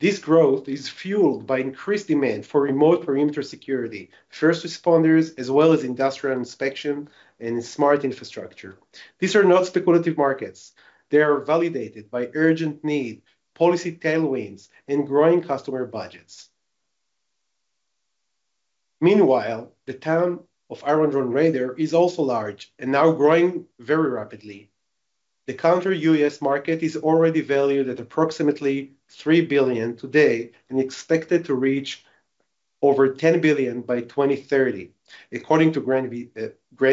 S3: This growth is fueled by increased demand for remote perimeter security, first responders, as well as industrial inspection and smart infrastructure. These are not speculative markets. They are validated by urgent need, policy tailwinds, and growing customer budgets. Meanwhile, the TAM of Iron Drone Raider is also large and now growing very rapidly. The counter-UAS market is already valued at approximately $3 billion today and expected to reach over $10 billion by 2030, according to Grand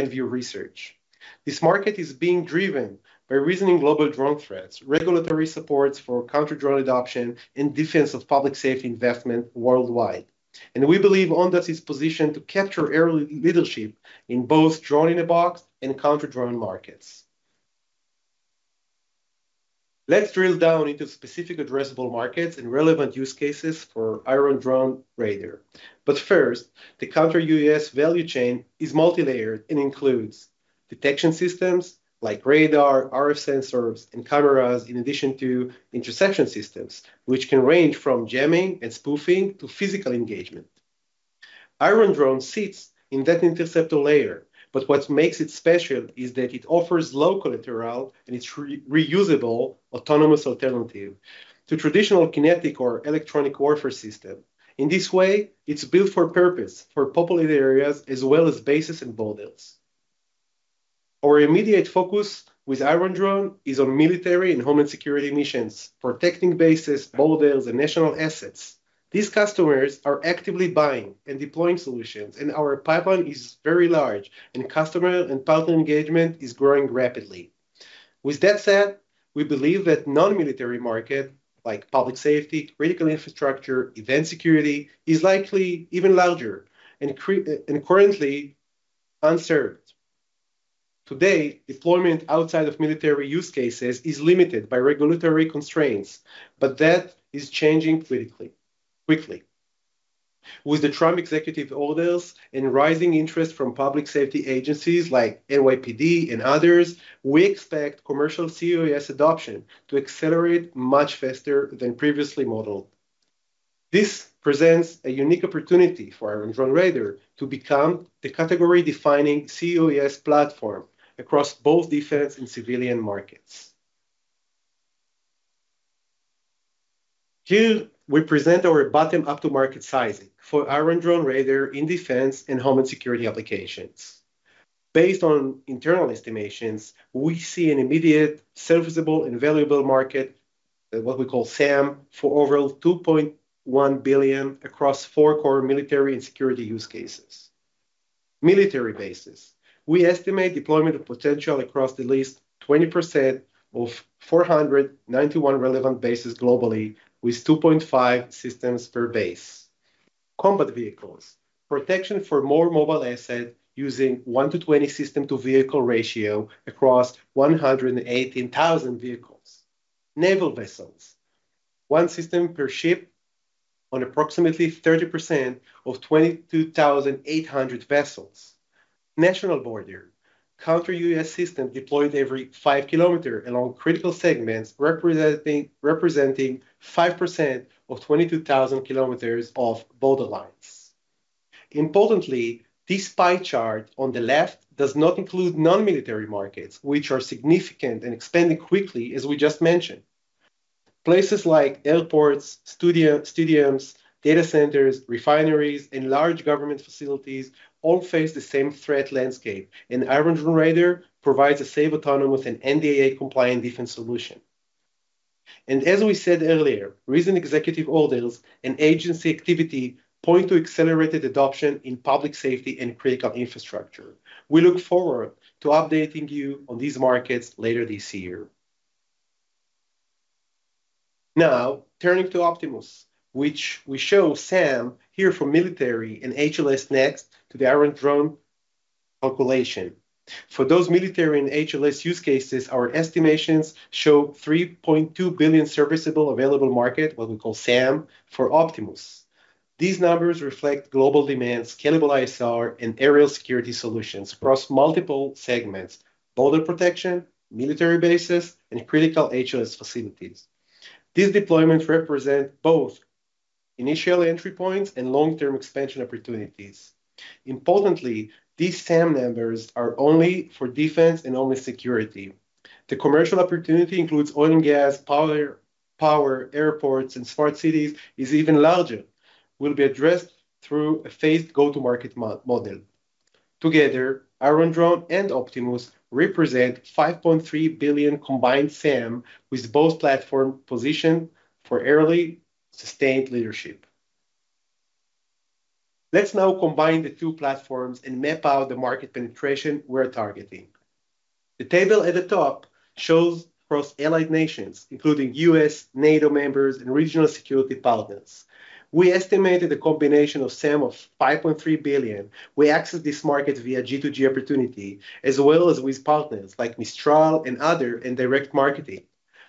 S3: View Research. This market is being driven by rising global drone threats, regulatory support for counter-drone adoption, and defense and public safety investment worldwide. We believe Ondas is positioned to capture a leadership position in both drone-in-a-box and counter-drone markets. Let's drill down into specific addressable markets and relevant use cases for Iron Drone Raider. First, the counter-UAS value chain is multi-layered and includes detection systems like radar, RF sensors, and cameras in addition to interdiction systems, which can range from jamming and spoofing to physical engagement. Iron Drone sits in that interceptor layer, but what makes it special is that it offers low collateral and it's a reusable autonomous alternative to traditional kinetic or electronic warfare systems. In this way, it's built for purpose for populated areas as well as bases and borders. Our immediate focus with Iron Drone is on military and homeland security missions protecting bases, borders, and national assets. These customers are actively buying and deploying solutions, and our pipeline is very large and customer and partner engagement is growing rapidly. With that said, we believe that non-military markets like public safety, critical infrastructure, and event security are likely even larger and currently unserved. Today, deployment outside of military use cases is limited by regulatory constraints, but that is changing quickly. With the Trump executive orders and rising interest from public safety agencies like NYPD and others, we expect commercial COAS adoption to accelerate much faster than previously modeled. This presents a unique opportunity for Iron Drone Raider to become the category-defining COAS platform across both defense and civilian markets. Here we present our bottom-up total market sizing for Iron Drone Raider in defense and homeland security applications. Based on internal estimations, we see an immediate, serviceable, and valuable market, what we call SAM, for over $2.1 billion across four core military and security use cases. Military bases, we estimate deployment potential across at least 20% of 491 relevant bases globally with 2.5 systems per base. Combat vehicles protection for more mobile assets using a 1:20 system-to-vehicle ratio across 118,000 vehicles. Naval vessels, 1 system per ship on approximately 30% of 22,800 vessels. National border counter-UAS system deployed every 5 km along critical segments representing 5% of 22,000 km of borderlines. Importantly, this pie chart on the left does not include non-military markets, which are significant and expanding quickly. As we just mentioned, places like airports, stadiums, data centers, refineries, and large government facilities all face the same threat landscape, and Iron Drone Raider provides a safe, autonomous, and NDAA-compliant defense solution. Recent executive orders and agency activity point to accelerated adoption in public safety and critical infrastructure. We look forward to updating you on these markets later this year. Now turning to Optimus, which we show SAM here for military and HLS next to the Iron Drone calculation for those military and HLS use cases. Our estimations show $3.2 billion serviceable available market, what we call SAM for Optimus. These numbers reflect global demand, scalable ISR and aerial security solutions across multiple segments: border protection, military bases, and critical HLS facilities. These deployments represent both initial entry points and long-term expansion opportunities. Importantly, these SAM numbers are only for defense and only security. The commercial opportunity includes oil and gas, power, airports, and smart cities, is even larger, will be addressed through a phased go-to-market model. Together, Iron Drone and Optimus represent $5.3 billion combined SAM, with both platforms positioned for early sustained leadership. Let's now combine the two platforms and map out the market penetration. We're targeting the table at the top shows across allied nations, including U.S., NATO members, and regional security partners. We estimated a combination of SAM of $5.3 billion. We access this market via G2G opportunity as well as with partners like Mistral and other and direct marketing.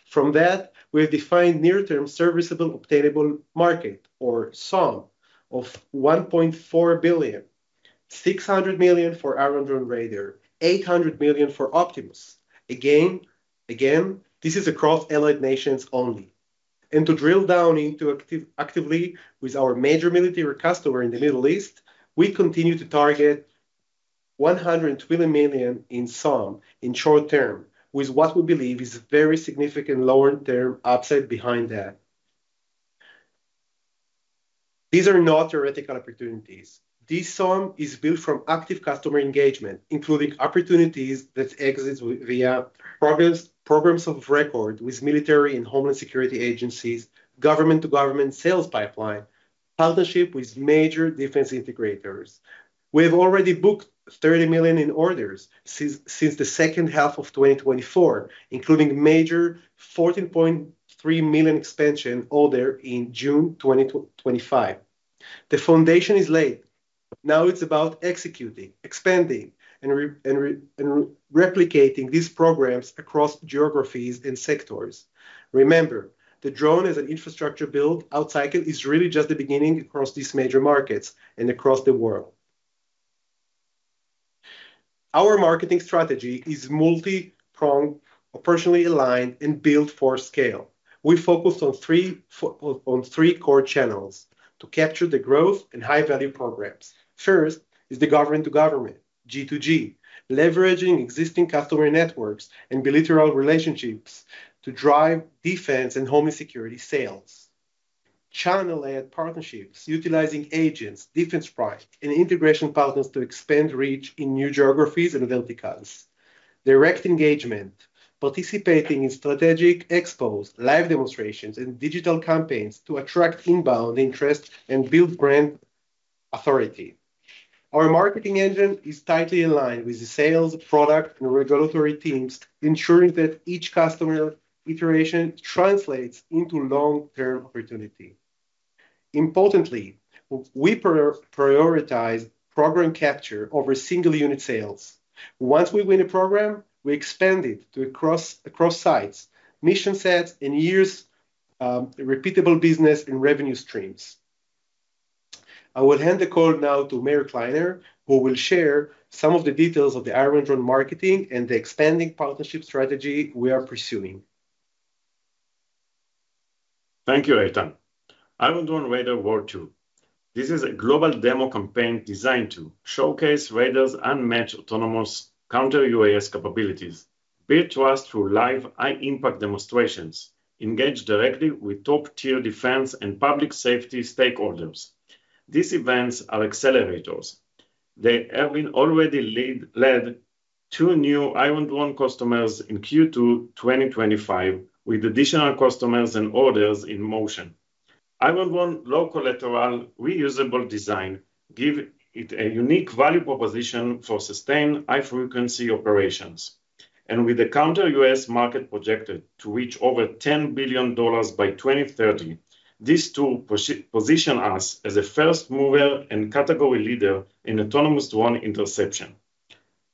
S3: From that, we have defined near-term serviceable obtainable market, or SOM, of $1.4 billion: $600 million for Iron Drone Raider, $800 million for Optimus. Again, this is across allied nations only. To drill down into actively with our major military customer in the Middle East, we continue to target $120 million in SOM in the short term, with what we believe is very significant long-term upside behind that. These are not theoretical opportunities. This sum is built from active customer engagement, including opportunities that exit via programs of record with military and homeland security agencies, government-to-government sales pipeline, partnership with major defense integrators. We have already booked $30 million in orders since the second half of 2024, including major $14.3 million expansion order in June 2025. The foundation is laid. Now it's about executing, expanding, and replicating these programs across geographies and sectors. Remember, the drone as an infrastructure build-out cycle is really just the beginning across these major markets and across the world. Our marketing strategy is multi-pronged, operationally aligned, and built for scale. We focus on three core channels to capture the growth and high-value programs. First is the government-to-government, G2G, leveraging existing customer networks and bilateral relationships to drive defense and homeland security. Sales channel-led partnerships utilizing agents, defense primes, and integration partners to expand reach in new geographies and verticals. Direct engagement, participating in strategic expos, live demonstrations, and digital campaigns to attract inbound interest and build brand authority. Our marketing engine is tightly aligned with the sales, product, and regulatory teams, ensuring that each customer iteration translates into long-term opportunity. Importantly, we prioritize program capture over single unit sales. Once we win a program, we expand it across sites, mission sets, and years, creating repeatable business and revenue streams. I will hand the call now to Meir Kliner, who will share some of the details of the Iron Drone Raider marketing and the expanding partnership strategy we are pursuing.
S5: Thank you, Eitan. I would run Raider War 2. This is a global demo campaign designed to showcase Raider's unmatched autonomous counter-UAS capabilities, build trust through live high-impact demonstrations, and engage directly with top-tier defense and public safety stakeholders. These events are accelerators. They have already led to two new Iron Drone Raider customers in Q2 2025, with additional customers and orders in motion. Iron Drone Raider's low collateral, reusable design gives it a unique value proposition for sustained, high-frequency operations, and with the counter-UAS market projected to reach over $10 billion by 2030, this tool positions us as a first mover and category leader in autonomous drone interception.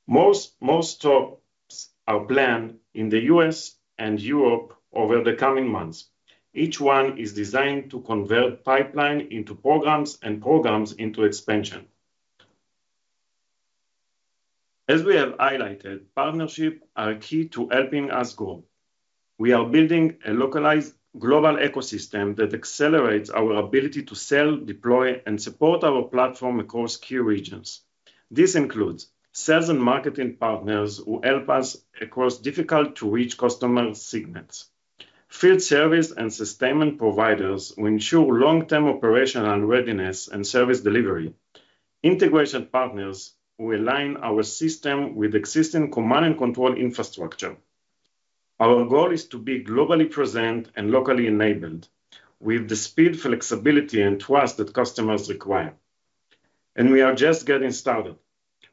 S5: Most stops are planned in the U.S. and Europe over the coming months. Each one is designed to convert pipeline into programs and programs into expansion. As we have highlighted, partnerships are key to helping us grow. We are building a localized global ecosystem that accelerates our ability to sell, deploy, and support our platform across key regions. This includes sales and marketing partners who help us across difficult-to-reach customer segments, field service and sustainment providers who ensure long-term operational readiness, and service delivery integration partners who align our system with existing command and control infrastructure. Our goal is to be globally present and locally enabled with the speed, flexibility, and trust that customers require. We are just getting started.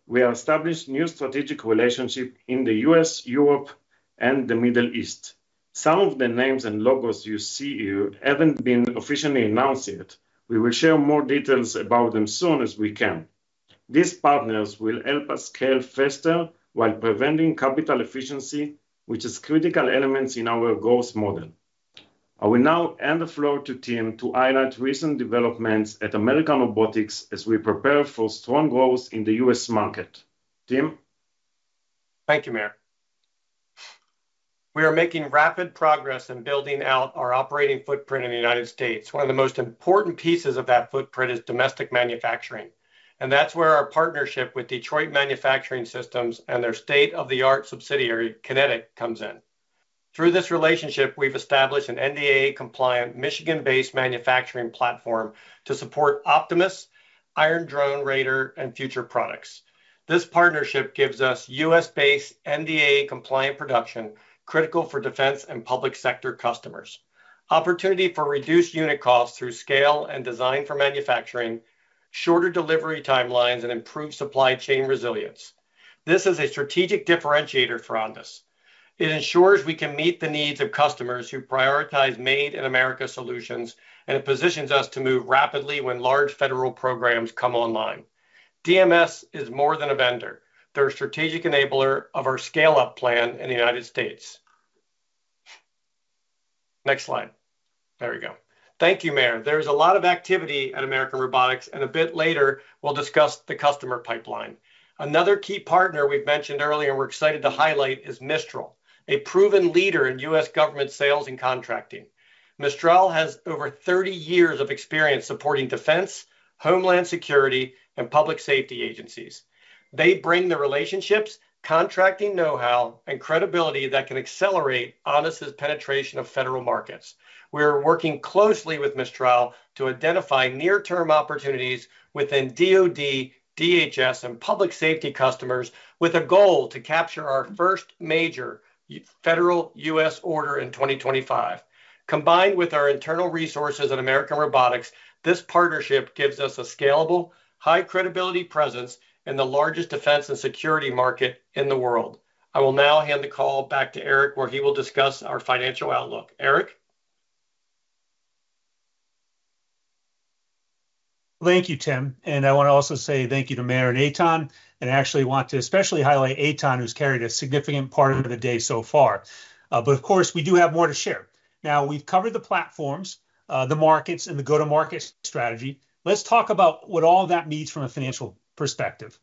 S5: We have established new strategic relationships in the U.S., Europe, and the Middle East. Some of the names and logos you see here haven't been officially announced yet. We will share more details about them as soon as we can. These partners will help us scale faster while preserving capital efficiency, which is a critical element in our growth model. I will now hand the floor to Tim to highlight recent developments at American Robotics as we prepare for strong growth in the U.S. market. Tim?
S4: Thank you, Meir. We are making rapid progress in building out our operating footprint in the United States. One of the most important pieces of that footprint is domestic manufacturing, and that's where our partnership with Detroit Manufacturing Systems and their state-of-the-art subsidiary Kinetic comes in. Through this relationship, we've established an NDA-compliant, Michigan-based manufacturing platform to support Optimus, Iron Drone Raider, and future products. This partnership gives us U.S.-based, NDA-compliant production critical for defense and public sector customers, opportunity for reduced unit costs through scale and design for manufacturing, shorter delivery timelines, and improved supply chain resilience. This is a strategic differentiator for Ondas. It ensures we can meet the needs of customers who prioritize Made in America solutions. It positions us to move rapidly when large federal programs come online. DMS is more than a vendor. They're a strategic enabler of our scale-up plan in the United States. Next slide. There we go. Thank you, Meir. There's a lot of activity at American Robotics, and a bit later we'll discuss the customer pipeline. Another key partner we've mentioned earlier and we're excited to highlight is Mistral. A proven leader in U.S. government sales and contracting, Mistral has over 30 years of experience supporting defense, homeland security, and public safety agencies. They bring the relationships, contracting know-how, and credibility that can accelerate Ondas' penetration of federal markets. We are working closely with Mistral to identify near-term opportunities within DoD, DHS, and public safety customers with a goal to capture our first major federal U.S. order in 2025. Combined with our internal resources at American Robotics, this partnership gives us a scalable, high-credibility presence in the largest defense and security market in the world. I will now hand the call back to Eric, where he will discuss our financial outlook. Eric?
S2: Thank you, Tim. I want to also say thank you to Meir, Eitan, and actually want to especially highlight Eitan, who's carried a significant part of the day so far. Of course, we do have more to share. Now we've covered the platforms, the markets, and the go to market strategy. Let's talk about what all that means from a financial perspective.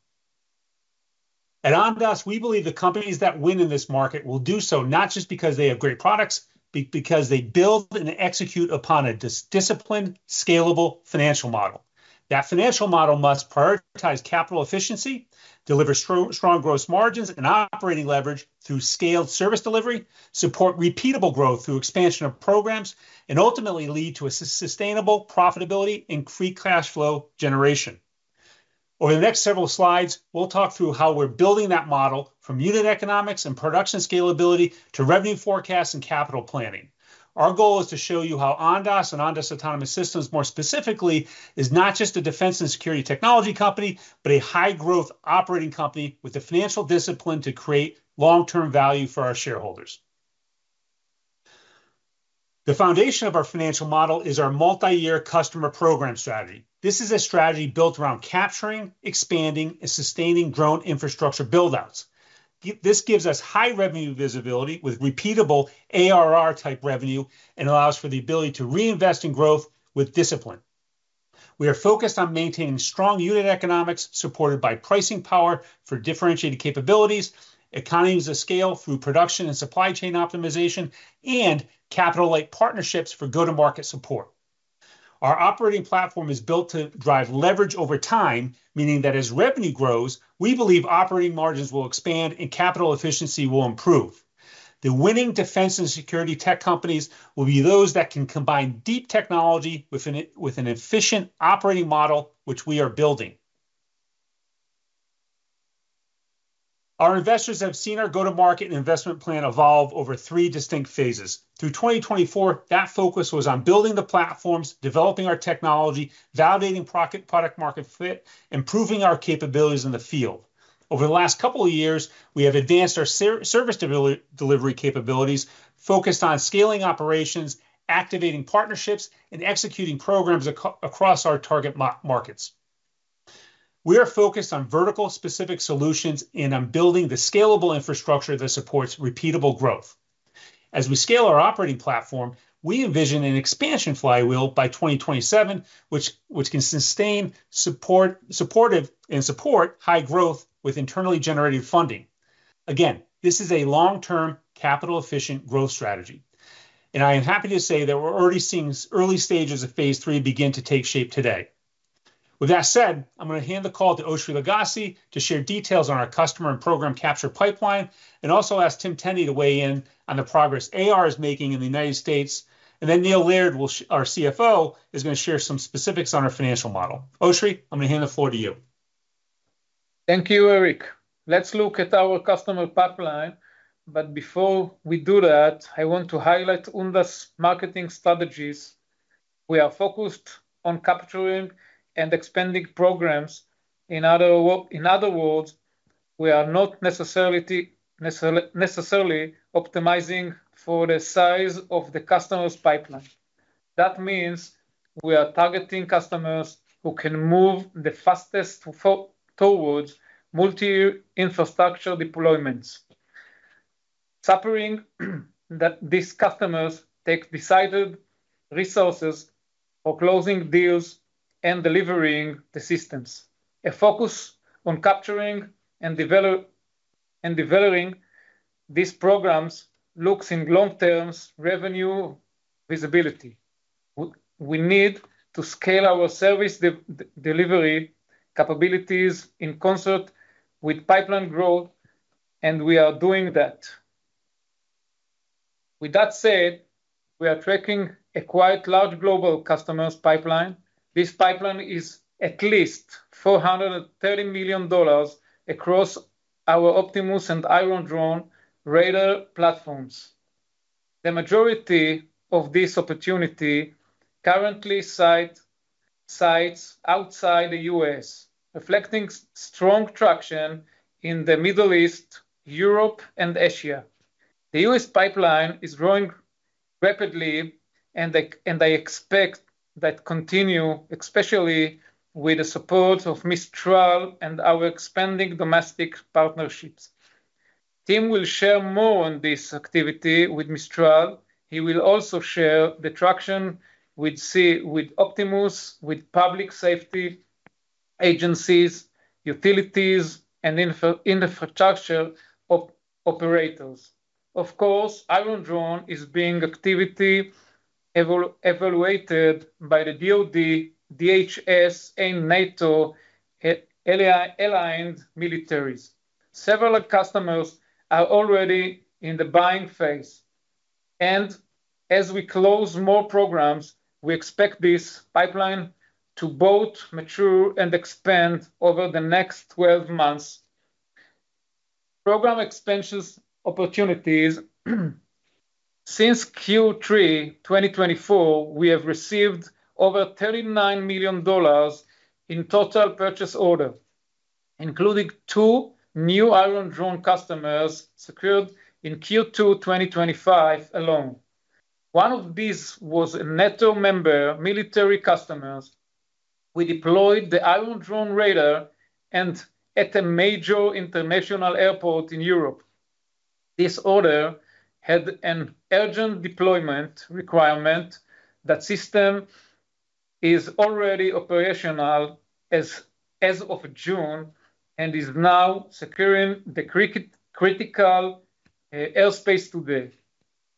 S2: At Ondas, we believe the companies that win in this market will do so not just because they have great products, but because they build and execute upon a disciplined, scalable financial model. That financial model must prioritize capital efficiency, deliver strong gross margins and operating leverage through scaled service delivery, support repeatable growth through expansion of programs, and ultimately lead to sustainable profitability and free cash flow generation. Over the next several slides, we'll talk through how we're building that model from unit economics and production scalability to revenue forecasts and capital planning. Our goal is to show you how Ondas and Ondas Autonomous Systems, more specifically, is not just a defense and security technology company, but a high growth operating company with the financial discipline to create long term value for our shareholders. The foundation of our financial model is our multi-year customer program strategy. This is a strategy built around capturing, expanding, and sustaining grown infrastructure buildouts. This gives us high revenue visibility with repeatable ARR type revenue and allows for the ability to reinvest in growth with discipline. We are focused on maintaining strong unit economics supported by pricing power for differentiated capabilities, economies of scale through production and supply chain optimization, and capital light partnerships for go to market support. Our operating platform is built to drive leverage over time, meaning that as revenue grows, we believe operating margins will expand and capital efficiency will improve. The winning defense and security tech companies will be those that can combine deep technology with an efficient operating model, which we are building. Our investors have seen our go to market investment plan evolve over three distinct phases. Through 2024, that focus was on building the platforms, developing our technology, and validating product market fit, improving our capabilities in the field. Over the last couple of years we have advanced our service delivery capabilities, focused on scaling operations, activating partnerships, and executing programs across our target markets. We are focused on vertical specific solutions and on building the scalable infrastructure that supports repeatable growth. As we scale our operating platform, we envision an expansion flywheel by 2027 which can sustain, support, and support high growth with internally generated funding. Again, this is a long term capital efficient growth strategy and I am happy to say that we're already seeing early stages of phase three begin to take shape today. With that said, I'm going to hand the call to Oshri Lugassy to share details on our customer and program capture pipeline and also ask Tim Tenne to weigh in on the progress American Robotics is making in the United States and then Neil Laird, our CFO, is going to share some specifics on our financial model. Oshri, I'm going to hand the floor to you.
S6: Thank you, Eric. Let's look at our customer pipeline, but before we do that I want to highlight Ondas' marketing strategies. We are focused on capturing and expanding programs. In other words, we are not necessarily optimizing for the size of the customer's pipeline. That means we are targeting customers who can move the fastest towards multi-infrastructure deployments, knowing that these customers take dedicated resources for closing deals and delivering the systems. A focus on capturing and developing these programs results in long-term revenue visibility. We need to scale our service delivery capabilities in concert with pipeline growth, and we are doing that. With that said, we are tracking a quite large global customer pipeline. This pipeline is at least $430 million across our Optimus System and Iron Drone Raider platforms. The majority of this opportunity currently sits outside the U.S., reflecting strong traction in the Middle East, Europe, and Asia. The U.S. pipeline is growing rapidly, and I expect that to continue, especially with the support of Mistral and our expanding domestic partnerships. Tim will share more on this activity with Mistral. He will also share the traction with Optimus System with public safety agencies, utilities, and infrastructure operators. Of course, Iron Drone Raider is being actively evaluated by the DoD, DHS, and NATO-aligned militaries. Several customers are already in the buying phase, and as we close more programs, we expect this pipeline to both mature and expand over the next 12 months. Program expansion opportunities: Since Q3 2024, we have received over $39 million in total purchase orders, including two new Iron Drone Raider customers secured in Q2 2025 alone. One of these was a NATO member military customer. We deployed the Iron Drone Raider at a major international airport in Europe. This order had an urgent deployment requirement. That system is already operational as of June and is now securing the critical airspace today.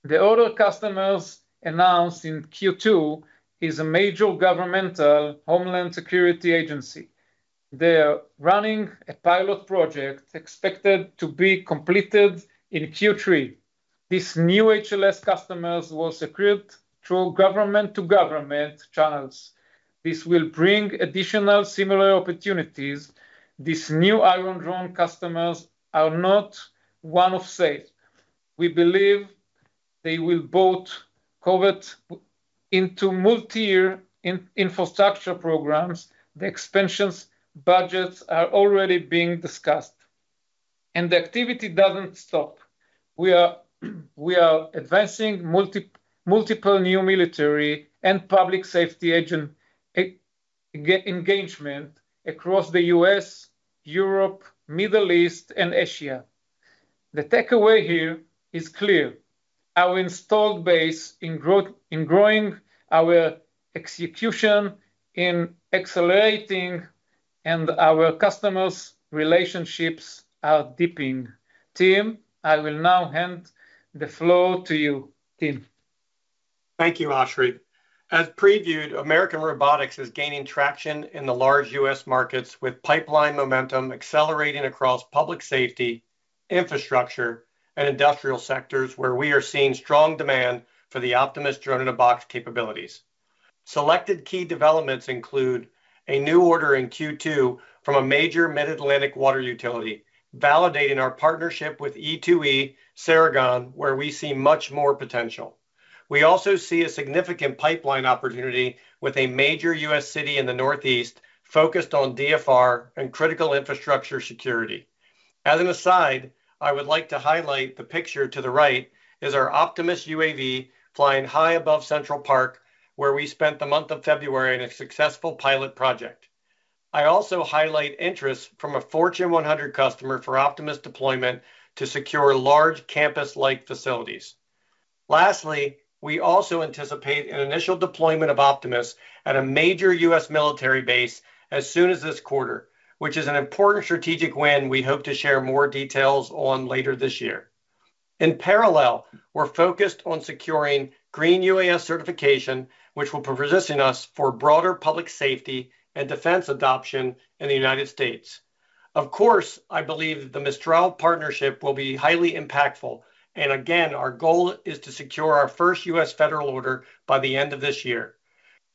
S6: The other customer announced in Q2 is a major governmental homeland security agency. They are running a pilot project expected to be completed in Q3. These new HLS customers were secured through government-to-government channels. This will bring additional similar opportunities. These new Iron Drone Raider customers are not one-off sales. We believe they will both convert into multi-year infrastructure programs. The expansion budgets are already being discussed, and the activity doesn't stop. We are advancing multiple new military and public safety agency engagements across the U.S., Europe, Middle East, and Asia. The takeaway here is clear: our installed base is growing, our execution is accelerating, and our customer relationships are deepening. Tim, I will now hand the floor to you and your team.
S4: Thank you, Oshri. As previewed, American Robotics is gaining traction in the large U.S. markets with pipeline momentum accelerating across public safety, infrastructure, and industrial sectors where we are seeing strong demand for the Optimus drone-in-a-box capabilities. Selected key developments include a new order in Q2 from a major Mid-Atlantic water utility, validating our partnership with E2E Saragon, where we see much more potential. We also see a significant pipeline opportunity with a major U.S. city in the Northeast focused on DFR and critical infrastructure security. As an aside, I would like to highlight the picture. To the right is our Optimus UAV flying high above Central Park, where we spent the month of February in a successful pilot project. I also highlight interest from a Fortune 100 customer for Optimus deployment to secure large campus-like facilities. Lastly, we also anticipate an initial deployment of Optimus at a major U.S. military base as soon as this quarter, which is an important strategic win. We hope to share more details on that later this year. In parallel, we're focused on securing Green UAS certification, which will position us for broader public safety and defense adoption in the United States. Of course, I believe the Mistral partnership will be highly impactful, and again, our goal is to secure our first U.S. federal order by the end of this year.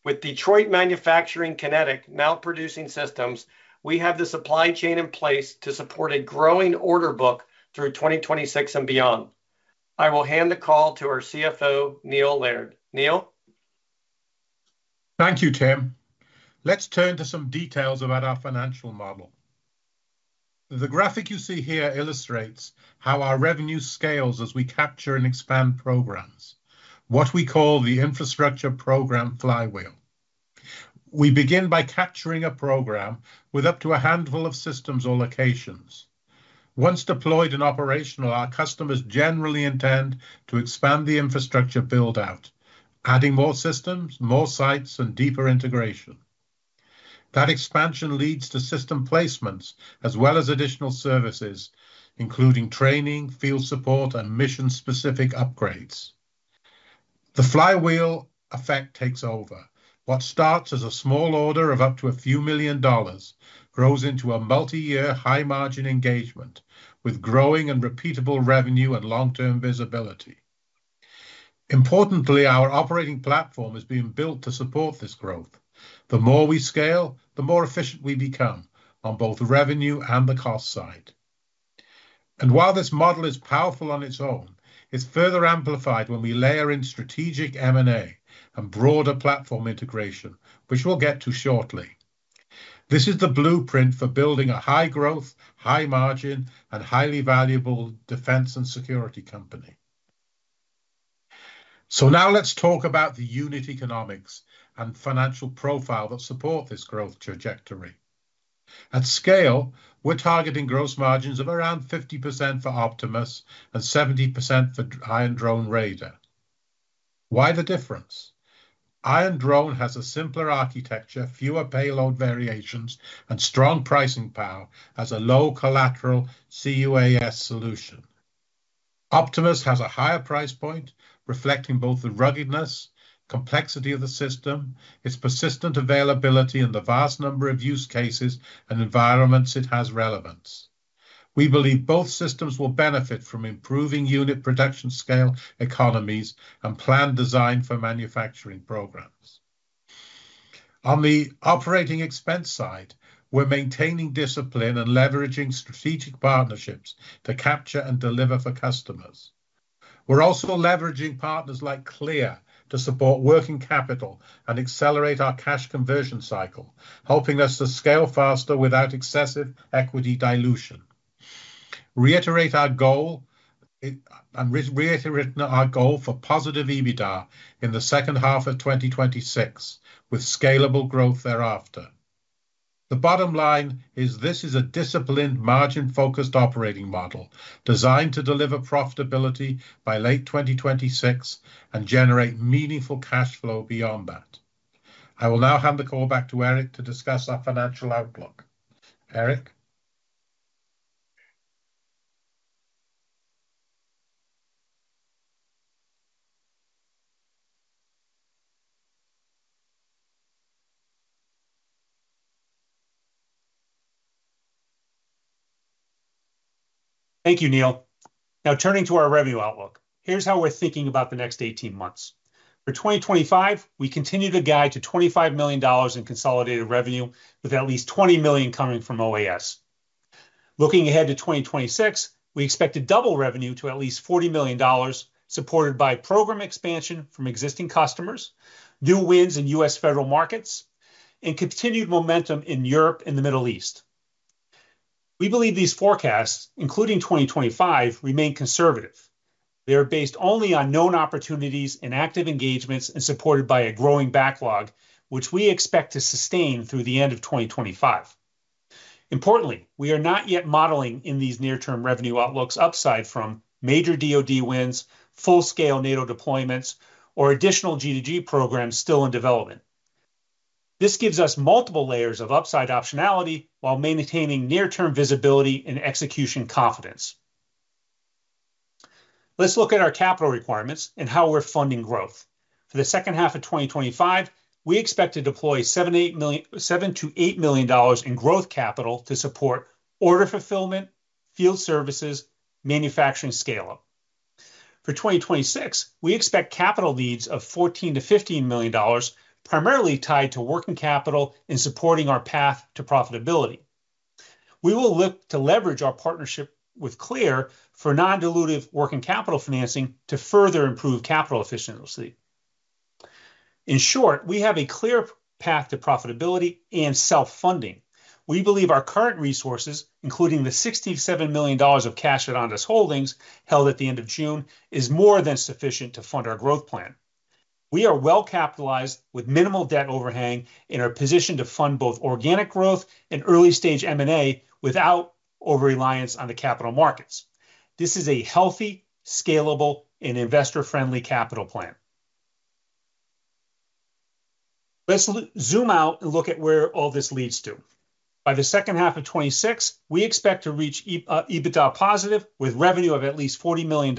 S4: With Detroit Manufacturing Systems now producing systems, we have the supply chain in place to support a growing order book through 2026 and beyond. I will hand the call to our CFO, Neil Laird. Neil?
S7: Thank you, Tim. Let's turn to some details about our financial model. The graphic you see here illustrates how our revenue scales as we capture and expand programs, what we call the infrastructure program Flywheel. We begin by capturing a program with up to a handful of systems or locations. Once deployed and operational, our customers generally intend to expand the infrastructure build out, adding more systems, more sites, and deeper integration. That expansion leads to system placements as well as additional services including training, field support, and mission specific upgrades. The Flywheel effect takes over. What starts as a small order of up to a few million dollars grows into a multi-year, high margin engagement with growing and repeatable revenue and long-term visibility. Importantly, our operating platform is being built to support this growth. The more we scale, the more efficient we become on both revenue and the cost side. While this model is powerful on its own, it's further amplified when we layer in strategic M&A and broader platform integration, which we'll get to shortly. This is the blueprint for building a high growth, high margin, and highly valuable defense and security company. Now let's talk about the unit economics and financial profile that support this growth trajectory. At scale, we're targeting gross margins of around 50% for Optimus and 70% for Iron Drone Raider. Why the difference? Iron Drone has a simpler architecture, fewer payload variations, and strong pricing power. As a low collateral counter-UAS solution, Optimus has a higher price point reflecting both the ruggedness and complexity of the system, its persistent availability, and the vast number of use cases and environments it has relevance. We believe both systems will benefit from improving unit production, scale economies, and planned design for manufacturing programs. On the operating expense side, we're maintaining discipline and leveraging strategic partnerships to capture and deliver for customers. We're also leveraging partners like Clear to support working capital and accelerate our cash conversion cycle, helping us to scale faster without excessive equity dilution. We reiterate our goal for positive EBITDA in the second half of 2026 with scalable growth thereafter. The bottom line is this is a disciplined, margin-focused operating model designed to deliver profitability by late 2026 and generate meaningful cash flow. Beyond that, I will now hand the call back to Eric to discuss our financial outlook.
S2: Thank you Neil. Now turning to our revenue outlook, here's how we're thinking about the next 18 months. For 2025 we continue to guide to $25 million in consolidated revenue with at least $20 million coming from OAS. Looking ahead to 2026, we expect to double revenue to at least $40 million, supported by program expansion from existing customers, new wins in U.S. Federal markets, and continued momentum in Europe and the Middle East. We believe these forecasts, including 2025, remain conservative. They are based only on known opportunities and active engagements and supported by a growing backlog, which we expect to sustain through the end of 2025. Importantly, we are not yet modeling in these near-term revenue outlooks upside from major DoD wins, full-scale NATO deployments, or additional G2G programs still in development. This gives us multiple layers of upside optionality while maintaining near-term visibility and execution confidence. Let's look at our capital requirements and how we're funding growth. For the second half of 2025, we expect to deploy $7 million-$8 million in growth capital to support order fulfillment, field services, and manufacturing scale up. For 2026, we expect capital needs of $14 million-$15 million, primarily tied to working capital. In supporting our path to profitability, we will look to leverage our partnership with Clear for non-dilutive working capital financing to further improve capital efficiency. In short, we have a clear path to profitability and self-funding. We believe our current resources, including the $67 million of cash at Ondas Holdings held at the end of June, is more than sufficient to fund our growth plan. We are well capitalized with minimal debt overhang and in our position to fund both organic growth and early-stage M&A without overreliance on the capital markets. This is a healthy, scalable, and investor-friendly capital plan. Let's zoom out and look at where all this leads to. By the second half of 2026, we expect to reach EBITDA positive with revenue of at least $40 million.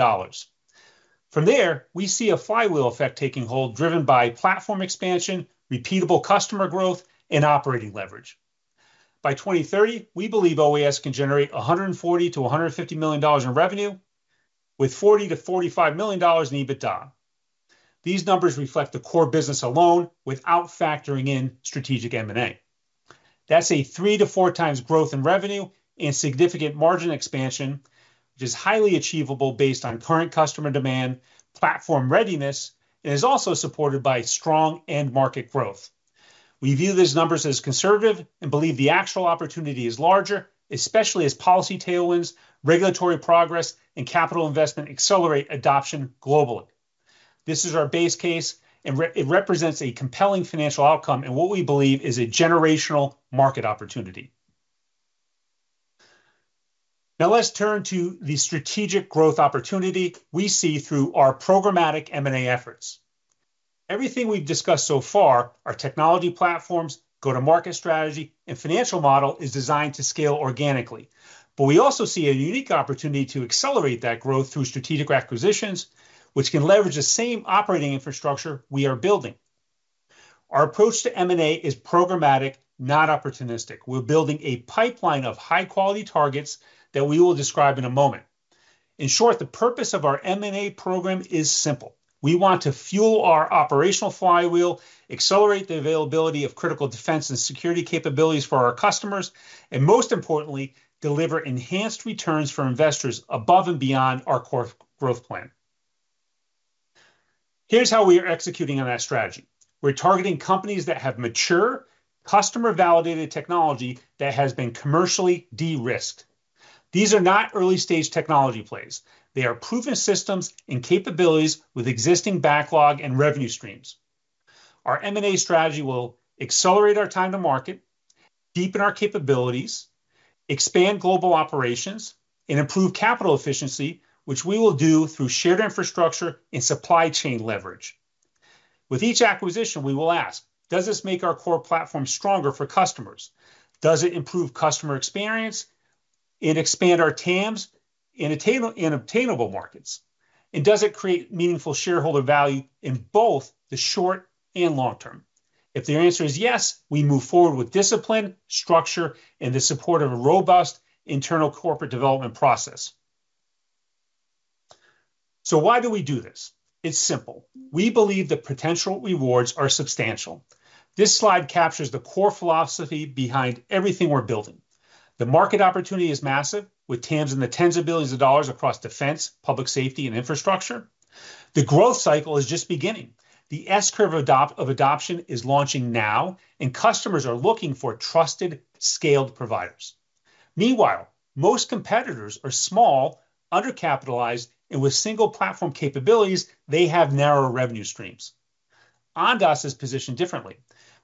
S2: From there, we see a flywheel effect taking hold, driven by platform expansion, repeatable customer growth, and operating leverage. By 2030, we believe OAS can generate $140 million-$150 million in revenue with $40 million-$45 million in EBITDA. These numbers reflect the core business alone without factoring in strategic M&A. That's a 3--4 times growth in revenue and significant margin expansion, which is highly achievable based on current customer demand, platform readiness, and is also supported by strong end market growth. We view these numbers as conservative and believe the actual opportunity is larger, especially as policy tailwinds, regulatory progress, and capital investment accelerate adoption globally. This is our base case, and it represents a compelling financial outcome and what we believe is a generational market opportunity. Now let's turn to the strategic growth opportunity we see through our programmatic M&A efforts. Everything we've discussed so far—our technology platforms, go-to-market strategy, and financial model—is designed to scale organically. We also see a unique opportunity to accelerate that growth through strategic acquisitions, which can leverage the same operating infrastructure we are building. Our approach to M&A is programmatic, not opportunistic. We're building a pipeline of high-quality targets that we will describe in a moment. In short, the purpose of our M&A program is simple. We want to fuel our operational flywheel and accelerate the availability of critical defense and security capabilities for our customers. Most importantly, deliver enhanced returns for investors above and beyond our core growth plan. Here's how we are executing on that strategy. We're targeting companies that have mature, customer-validated technology that has been commercially de-risked. These are not early-stage technology plays. They are proven systems and capabilities with existing backlog and revenue streams. Our M&A strategy will accelerate our time to market, deepen our capabilities, expand global operations, and improve capital efficiency, which we will do through shared infrastructure and supply chain leverage. With each acquisition, we will ask: does this make our core platform stronger for customers? Does it improve customer experience? Does it expand our TAMs in obtainable markets, and does it create meaningful shareholder value in both the short and long term? If the answer is yes, we move forward with discipline, structure, and the support of a robust internal corporate development process. We do this because we believe the potential rewards are substantial. This slide captures the core philosophy behind everything we're building. The market opportunity is massive with TAMs in the tens of billions of dollars across defense, public safety, and infrastructure. The growth cycle is just beginning. The S curve of adoption is launching now, and customers are looking for trusted, scaled providers. Meanwhile, most competitors are small, undercapitalized, and with single platform capabilities. They have narrower revenue streams. Ondas is positioned differently.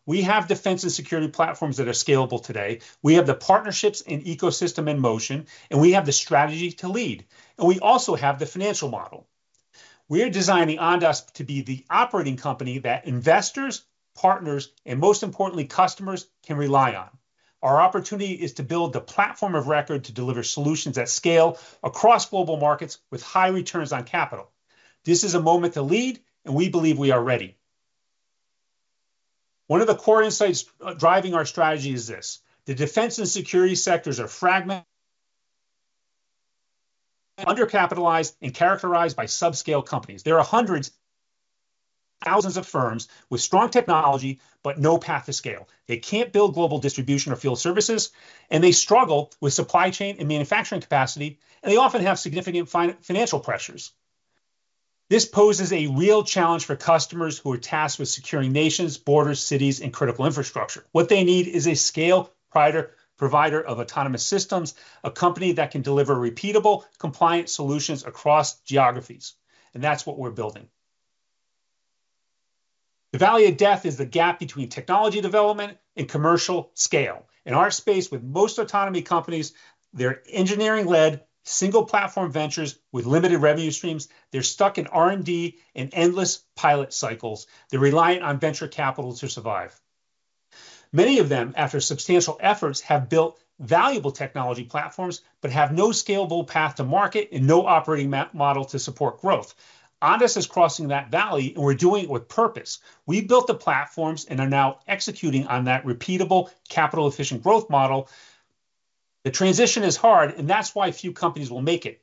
S2: We have defense and security platforms that are scalable. Today, we have the partnerships and ecosystem in motion, and we have the strategy to lead. We also have the financial model. We are designing Ondas to be the operating company that investors, partners, and most importantly, customers can rely on. Our opportunity is to build the platform of record to deliver solutions at scale across global markets with high returns on capital. This is a moment to lead, and we believe we are ready. One of the core insights driving our strategy is this: the defense and security sectors are fragmented, undercapitalized, and characterized by subscale companies. There are hundreds, thousands of firms with strong technology but no path to scale. They can't build global distribution or field services, and they struggle with supply chain and manufacturing capacity. They often have significant financial pressures. This poses a real challenge for customers who are tasked with securing nations, borders, cities, and critical infrastructure. What they need is a scale provider of autonomous systems, a company that can deliver repeatable, compliant solutions across geographies. That's what we're building. The valley of death is the gap between technology development and commercial scale in our space. With most autonomy companies, they're engineering-led, single platform ventures with limited revenue streams. They're stuck in R&D and endless pilot cycles. They're reliant on venture capital to survive. Many of them, after substantial efforts, have built valuable technology platforms but have no scalable path to market and no operating model to support growth. Ondas is crossing that valley, and we're doing it with purpose. We built the platforms and are now executing on that repeatable, capital-efficient growth model. The transition is hard, and that's why few companies will make it.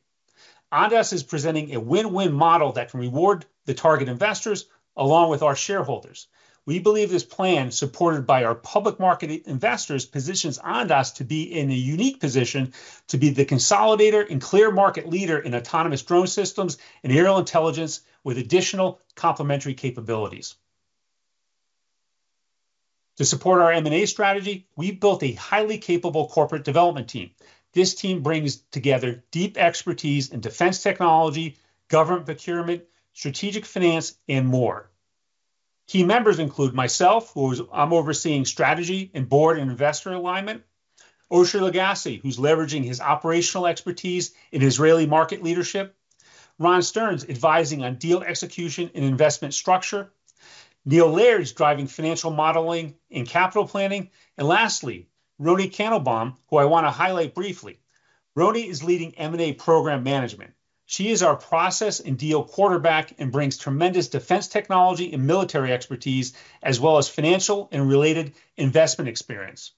S2: Ondas is presenting a win-win model that can reward the target investors along with our shareholders. We believe this plan, supported by our public market investors, positions Ondas to be in a unique position to be the consolidator and clear market leader in autonomous drone systems and aerial intelligence. With additional complementary capabilities to support our M&A strategy, we built a highly capable Corporate Development team. This team brings together deep expertise in defense technology, government procurement, strategic finance, and more. Key members include myself, who is overseeing strategy and board and investor alignment, Oshri Lugassy, who's leveraging his operational expertise in Israeli market leadership, Ron Stern advising on deal execution and investment structure, Neil Laird driving financial modeling and capital planning, and lastly Roni Kanelbaum, who I want to highlight briefly. Roni is leading M&A program management. She is our process and deal quarterback and brings tremendous defense technology and military expertise as well as financial and related investment experience.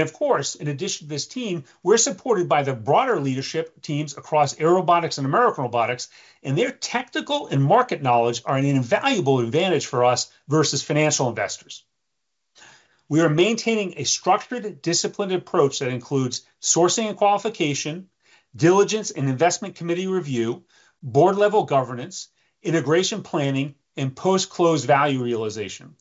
S2: Of course, in addition to this team, we're supported by the broader leadership teams across Airobotics and American Robotics, and their technical and market knowledge are an invaluable advantage for us versus financial investors. We are maintaining a structured, disciplined approach that includes sourcing and qualification, diligence and investment committee review, board-level governance, integration planning, and post-close value realization.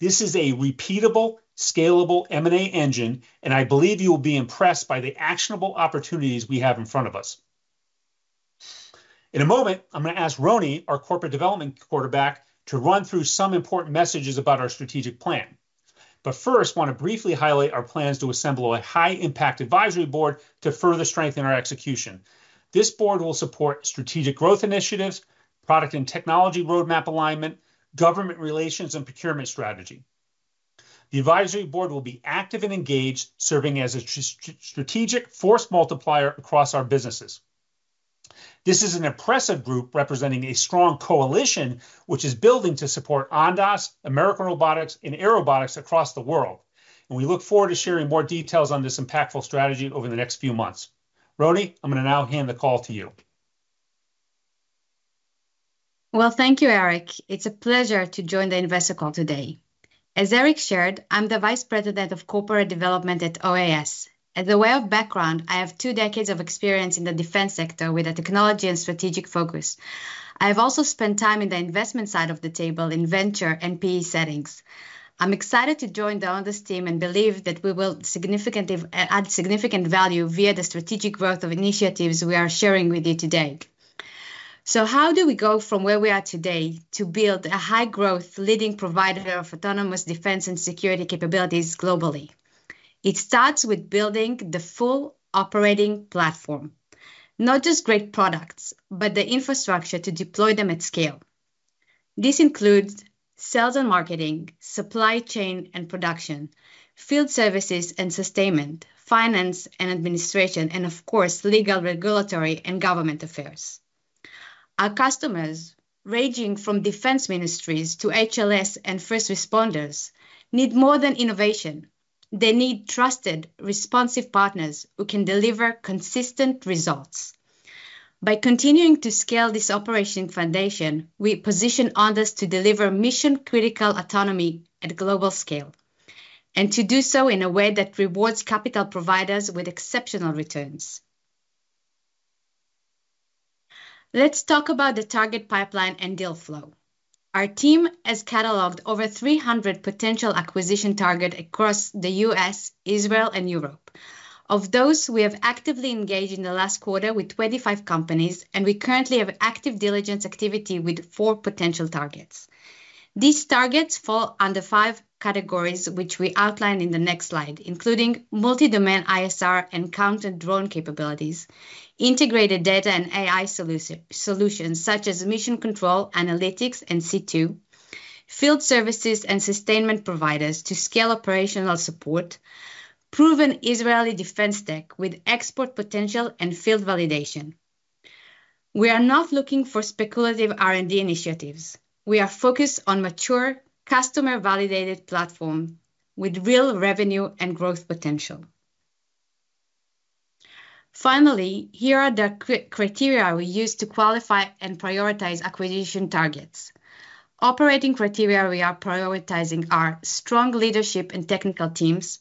S2: This is a repeatable, scalable M&A engine, and I believe you will be impressed by the actionable opportunities we have in front of us. In a moment, I'm going to ask Roni, our Corporate Development quarterback, to run through some important messages about our strategic plan. First, I want to briefly highlight our plans to assemble a high-impact Advisory Board to further strengthen our execution. This board will support strategic growth initiatives, product and technology roadmap alignment, government relations, and procurement strategy. The Advisory Board will be active and engaged, serving as a strategic force multiplier across our businesses. This is an impressive group representing a strong coalition which is building to support Ondas, American Robotics, and Airobotics across the world, and we look forward to sharing more details on this impactful strategy over the next few months. Roni, I'm going to now hand the call to you.
S8: Thank you, Eric. It's a pleasure to join the investor call today. As Eric shared, I'm the Vice President of Corporate Development at Ondas Autonomous Systems. As a way of background, I have two decades of experience in the defense sector with a technology and strategic focus. I have also spent time in the investment side of the table in venture and PE settings. I'm excited to join the Ondas team and believe that we will add significant value via the strategic growth of initiatives we are sharing with you today. How do we go from where we are today to build a high-growth leading provider of autonomous defense and security capabilities globally? It starts with building the full operating platform, not just great products but the infrastructure to deploy them at scale. This includes sales and marketing, supply chain and production, field services and sustainment, finance and administration, and of course legal, regulatory, and government affairs. Our customers, ranging from defense ministries to HLS and first responders, need more than innovation. They need trusted, responsive partners who can deliver consistent results. By continuing to scale this operational foundation, we position Ondas to deliver mission-critical autonomy at global scale and to do so in a way that rewards capital providers with exceptional returns. Let's talk about the target pipeline and deal flow. Our team has cataloged over 300 potential acquisition targets across the U.S., Israel, and Europe. Of those, we have actively engaged in the last quarter with 25 companies, and we currently have active diligence activity with four potential targets. These targets fall under five categories, which we outline in the next slide, including multi-domain ISR and counter-drone capabilities, integrated data and AI solutions such as mission control, analytics and C2, field services and sustainment providers to scale operational support, proven Israeli defense tech with export potential and field validation. We are not looking for speculative R&D initiatives. We are focused on mature, customer-validated platforms with real revenue and growth potential. Finally, here are the criteria we use to qualify and prioritize acquisition targets. Operating criteria we are prioritizing are strong leadership and technical teams,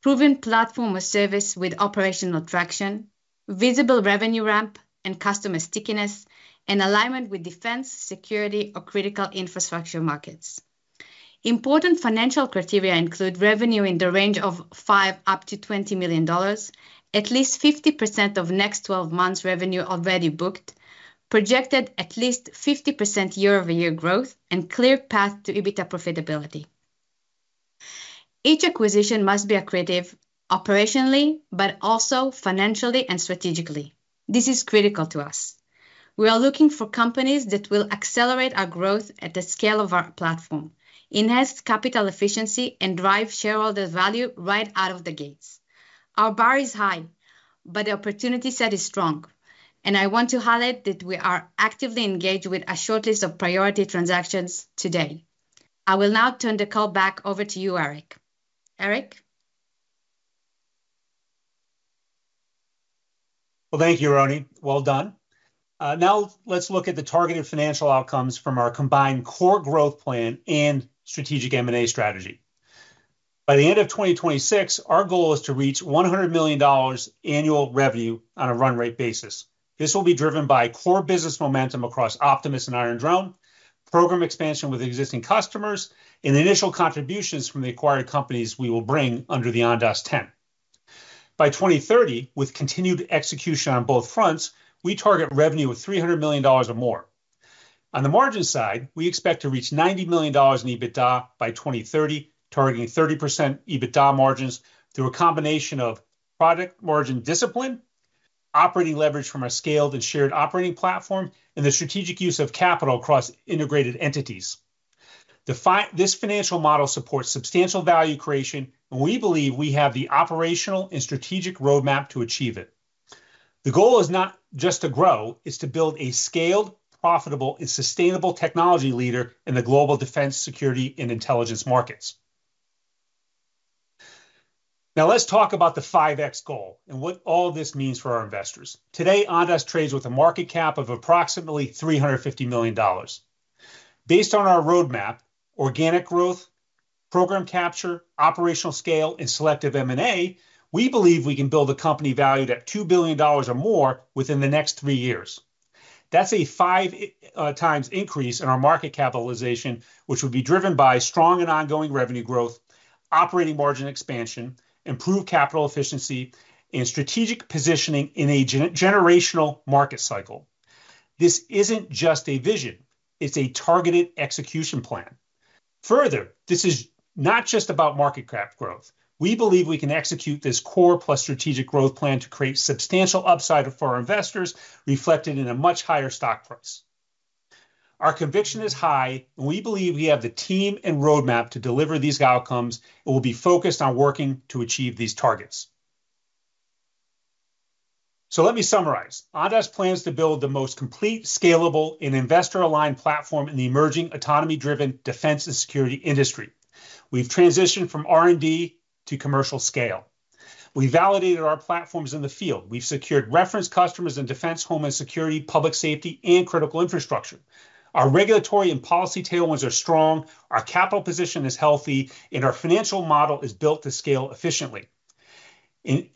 S8: proven platform or service with operational traction, visible revenue ramp and customer stickiness, and alignment with defense, security, or critical infrastructure markets. Important financial criteria include revenue in the range of $5 million up to $20 million, at least 50% of next 12 months revenue already booked, projected at least 50% year-over-year growth, and clear path to EBITDA profitability. Each acquisition must be accretive operationally, but also financially and strategically. This is critical to us. We are looking for companies that will accelerate our growth at the scale of our platform, enhance capital efficiency, and drive shareholder value right out of the gates. Our bar is high, but the opportunity set is strong, and I want to highlight that we are actively engaged with a short list of priority transactions today. I will now turn the call back over to you, Eric.
S2: Thank you, Roni. Well done. Now let's look at the targeted financial outcomes from our combined Core Growth Plan and Strategic M&A strategy. By the end of 2026, our goal is to reach $100 million annual revenue on a run rate basis. This will be driven by core business momentum across Optimus and Iron Drone Raider program, expansion with existing customers, and initial contributions from the acquired companies. We will bring Ondas to $1 billion by 2030 with continued execution on both fronts. We target revenue of $300 million or more. On the margin side, we expect to reach $90 million in EBITDA by 2030, targeting 30% EBITDA margins through a combination of product margin discipline, operating leverage from our scaled and shared operating platform, and the strategic use of capital across integrated entities. This financial model supports substantial value creation, and we believe we have the operational and strategic roadmap to achieve it. The goal is not just to grow, it's to build a scaled, profitable, and sustainable technology leader in the global defense, security, and intelligence markets. Now let's talk about the 5x goal and what all this means for our investors. Today, Ondas trades with a market cap of approximately $350 million. Based on our roadmap, organic growth program, captured operational scale, and selective M&A, we believe we can build a company valued at $2 billion or more within the next three years. That's a five times increase in our market capitalization, which would be driven by strong and ongoing revenue growth, operating margin expansion, improved capital efficiency, and strategic positioning in a generational market cycle. This isn't just a vision, it's a targeted execution plan. Further, this is not just about market cap growth. We believe we can execute this core plus strategic growth plan to create substantial upside for our investors, reflected in a much higher stock price. Our conviction is high, and we believe we have the team and roadmap to deliver these outcomes, and we will be focused on working to achieve these targets. Let me summarize. Ondas plans to build the most complete, scalable, and investor-aligned platform in the emerging autonomy-driven defense and security industry. We've transitioned from R&D to commercial scale. We've validated our platforms in the field. We've secured reference customers in defense, homeland security, public safety, and critical infrastructure. Our regulatory and policy tailwinds are strong. Our capital position is healthy, and our financial model is built to scale efficiently.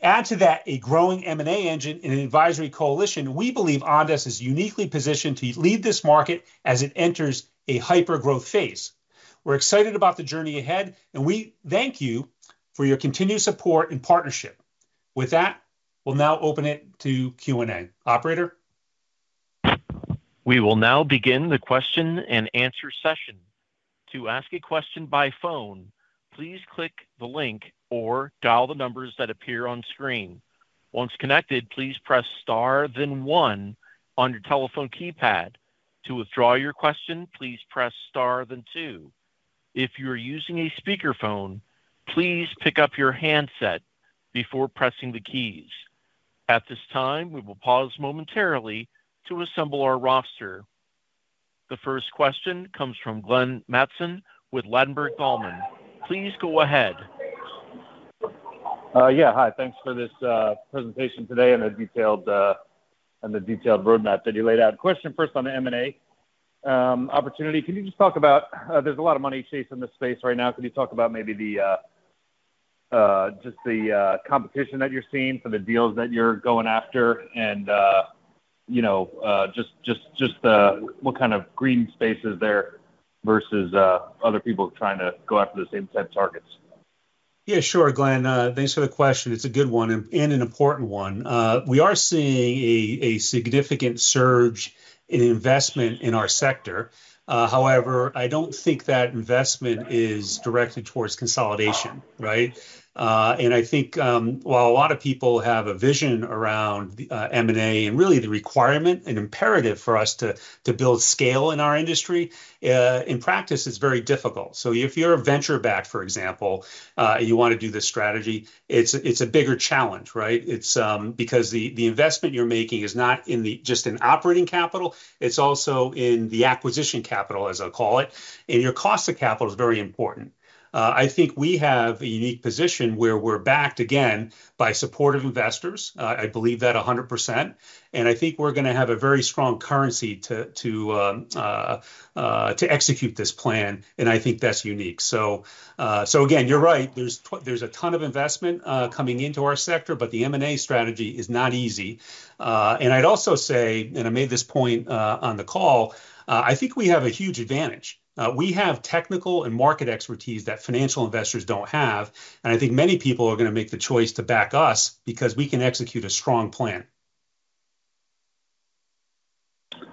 S2: Add to that a growing M&A engine and an advisory coalition. We believe Ondas is uniquely positioned to lead this market as it enters a hyper-growth phase. We're excited about the journey ahead, and we thank you for your continued support and partnership. With that, we'll now open it to Q&A, operator.
S1: We will now begin the question and answer session. To ask a question by phone, please click the link or dial the numbers that appear on screen. Once connected, please press star then one on your telephone keypad. To withdraw your question, please press star then two. If you are using a speakerphone, please pick up your handset before pressing the keys. At this time, we will pause momentarily to assemble our roster. The first question comes from Glenn Mattson with Ladenburg Thalmann. Please go ahead.
S9: Yeah, hi. Thanks for this presentation today and the detailed roadmap that you laid out. Question first on the M&A opportunity, can you just talk about there's a lot of money chasing the space right now. Could you talk about maybe the, just the competition that you're seeing for the deals that you're going after and you know, just the what kind of green space is there versus other people trying to go after the same type targets?
S2: Yeah, sure, Glenn, thanks for the question. It's a good one and an important one. We are seeing a significant surge in investment in our sector. However, I don't think that investment is directed towards consolidation. I think while a lot of people have a vision around M&A and really the requirement, an imperative for us to build scale in our industry, in practice it's very difficult. If you're a venture backed, for example, you want to do this strategy. It's a bigger challenge, right? It's because the investment you're making is not just in operating capital. It's also in the acquisition capital, as I call it. Your cost of capital is very important. I think we have a unique position where we're backed, again, by supportive investors. I believe that 100%. I think we're going to have a very strong currency to execute this plan. I think that's unique. You're right. There's a ton of investment coming into our sector, but the M&A strategy is not easy. I also say, and I made this point on the call, I think we have a huge advantage. We have technical and market expertise that financial investors don't have. I think many people are going to make the choice to back us because we can execute a strong plan.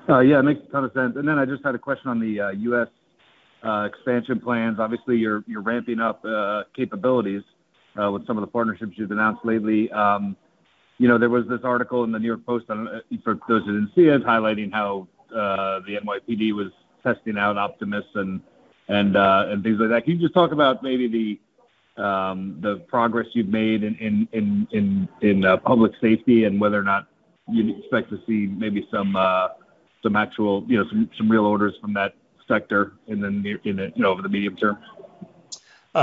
S9: Yeah, it makes a ton of sense. I just had a question on the U.S. expansion plans. Obviously you're ramping up capabilities with some of the partnerships you've announced lately. There was this article in the New York Post, for those who didn't see it, highlighting how the NYPD was testing out Optimus and things like that. Can you just talk about maybe the progress you've made in public safety and whether or not you expect to see maybe some actual real orders from that sector over the medium term?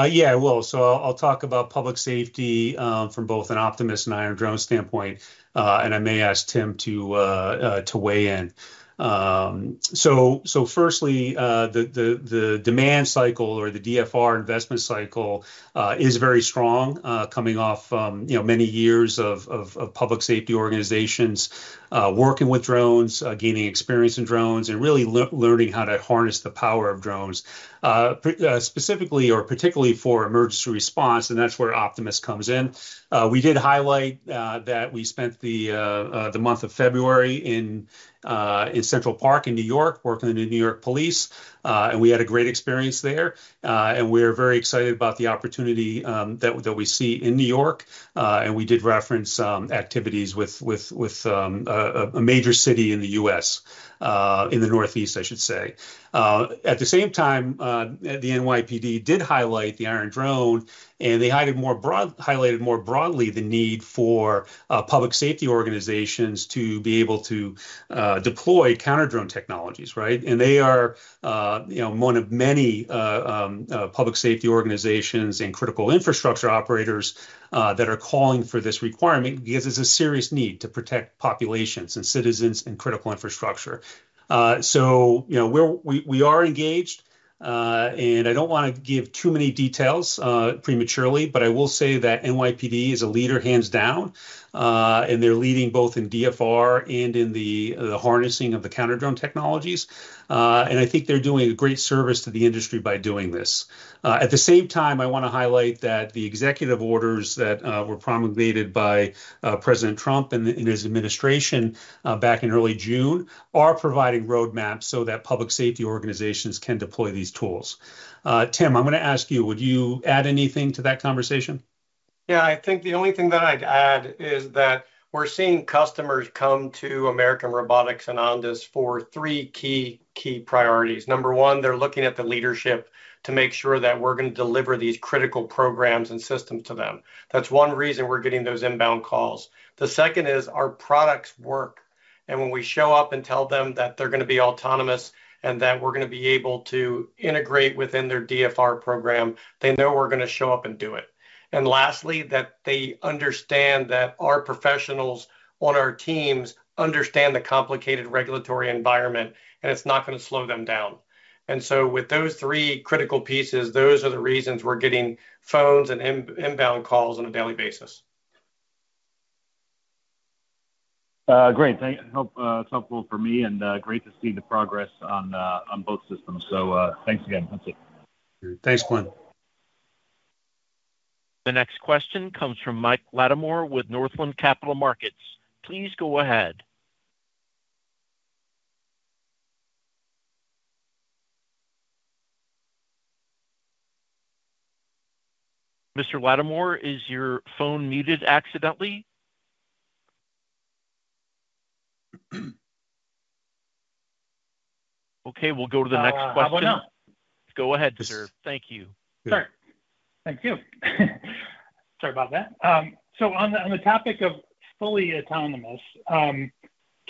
S2: Yeah, I will. I'll talk about public safety from both an Optimus and Iron Drone standpoint. I may ask Tim to weigh in. Firstly, the demand cycle or the DFR investment cycle is very strong, coming off many years of public safety organizations working with drones, gaining experience in drones, and really learning how to harness the power of drones, specifically or particularly for emergency response. That's where Optimus comes in. We did highlight that we spent the month of February in Central Park, New York, working in New York Police. We had a great experience there, and we are very excited about the opportunity that we see in New York. We did reference activities with a major city in the U.S. in the Northeast, I should say. At the same time, the NYPD did highlight the Iron Drone Raider, and they highlighted more broadly the need for public safety organizations to be able to deploy counter-UAS technologies. They are one of many public safety organizations and critical infrastructure operators that are calling for this requirement because there's a serious need to protect populations and citizens and critical infrastructure. We are engaged, and I don't want to give too many details prematurely, but I will say that NYPD is a leader, hands down. They're leading both in DFR and in the harnessing of the counter drone technologies. I think they're doing a great service to the industry by doing this. At the same time, I want to highlight that the executive orders that were promulgated by President Trump and his administration back in early June are providing roadmaps so that public safety organizations can deploy these tools. Tim, I'm going to ask you, would you add anything to that conversation?
S4: Yeah, I think the only thing that I'd add is that we're seeing customers come to American Robotics and Ondas for three key priorities. Number one, they're looking at the leadership to make sure that we're going to deliver these critical programs and systems to them. That's one reason we're getting those inbound calls. The second is our products work. When we show up and tell them that they're going to be autonomous and that we're going to be able to integrate within their DFR program, they know we're going to show up and do it. Lastly, they understand that our professionals on our teams understand the complicated regulatory environment and it's not going to slow them down. With those three critical pieces, those are the reasons we're getting phones and inbound calls on a daily basis.
S9: Great. Helpful for me, and great to see the progress on both systems. Thanks again.
S2: Thanks, Glenn.
S1: The next question comes from Mike Latimore with Northland Capital Markets. Please go ahead. Mr. Latimore, is your phone muted accidentally? Okay, we'll go to the next question. Go ahead, sir. Thank you.
S10: Thank you. Sorry about that. On the topic of fully autonomous, can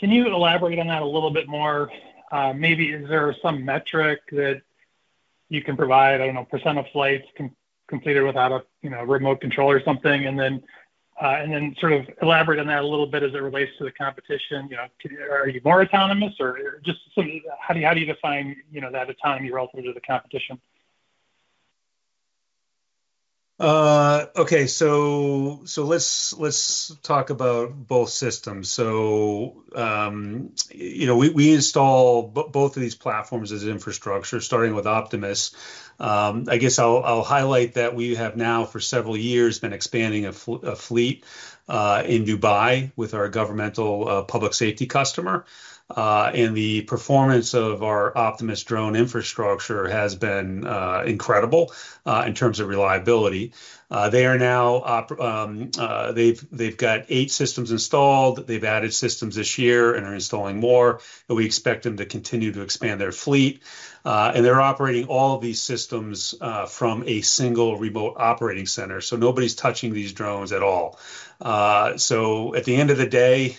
S10: you elaborate on that a little bit more maybe? Is there some metric that you can provide, I don't know, percentage of flights completed without a remote control or something? Could you elaborate on that a little bit as it relates to the competition? Are you more autonomous or how do you, how do you define that autonomy relative to the competition?
S2: Okay, let's talk about both systems. So you know, we install both of these platforms as infrastructure, starting with Optimus. I guess I'll highlight that we have now for several years been expanding a fleet in Dubai with our governmental public safety customer, and the performance of our Optimus drone infrastructure has been incredible in terms of reliability. They are now, they've got eight systems installed. They've added systems this year and are installing more. We expect them to continue to expand their fleet, and they're operating all of these systems from a single remote operating center. Nobody's touching these drones at all. At the end of the day,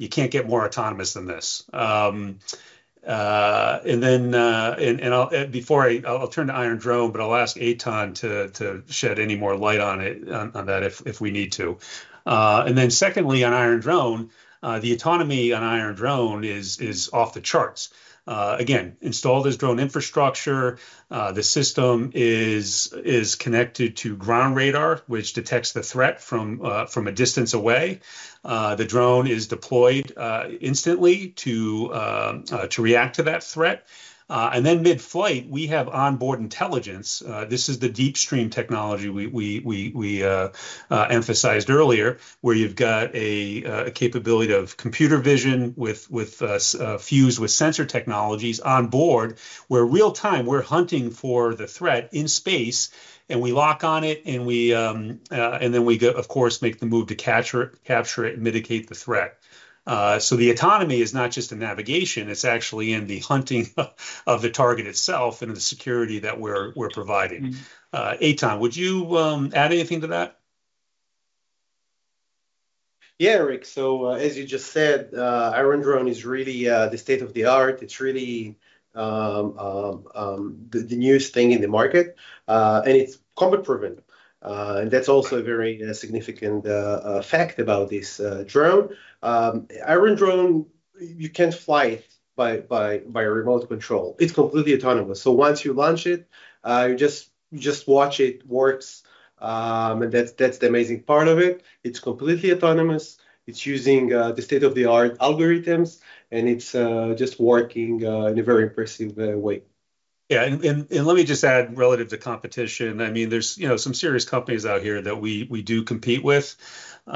S2: you can't get more autonomous than this. Before I turn to Iron Drone, I'll ask Eitan to shed any more light on that if we need to. Secondly, on Iron Drone, the autonomy on Iron Drone is off the charts again. Installed as drone infrastructure, the system is connected to ground radar, which detects the threat from a distance away. The drone is deployed instantly to react to that threat. And then, mid-flight, we have onboard intelligence. This is the Deepstream technology we emphasized earlier, where you've got a capability of computer vision fused with sensor technologies on board, where real time, we're hunting for the threat in space. We lock on it, and then we of course make the move to capture it, mitigate the threat. Autonomy is not just a navigation, it's actually in the hunting of the target itself and the security that we're providing. Eitan, would you add anything to that?
S3: Yeah, Eric. As you just said, Iron Drone Raider is really the state of the art. It's really the newest thing in the market and it's combat proven. That's also a very significant fact about this drone, Iron Drone Raider. You can't fly by a remote control. It's completely autonomous. Once you launch it, just watch it work. That's the amazing part of it. It's completely autonomous, it's using the state of the art algorithms, and it's just working in a very impressive way.
S2: Let me just add relative to competition, I mean, there are some serious companies out here that we do compete with. At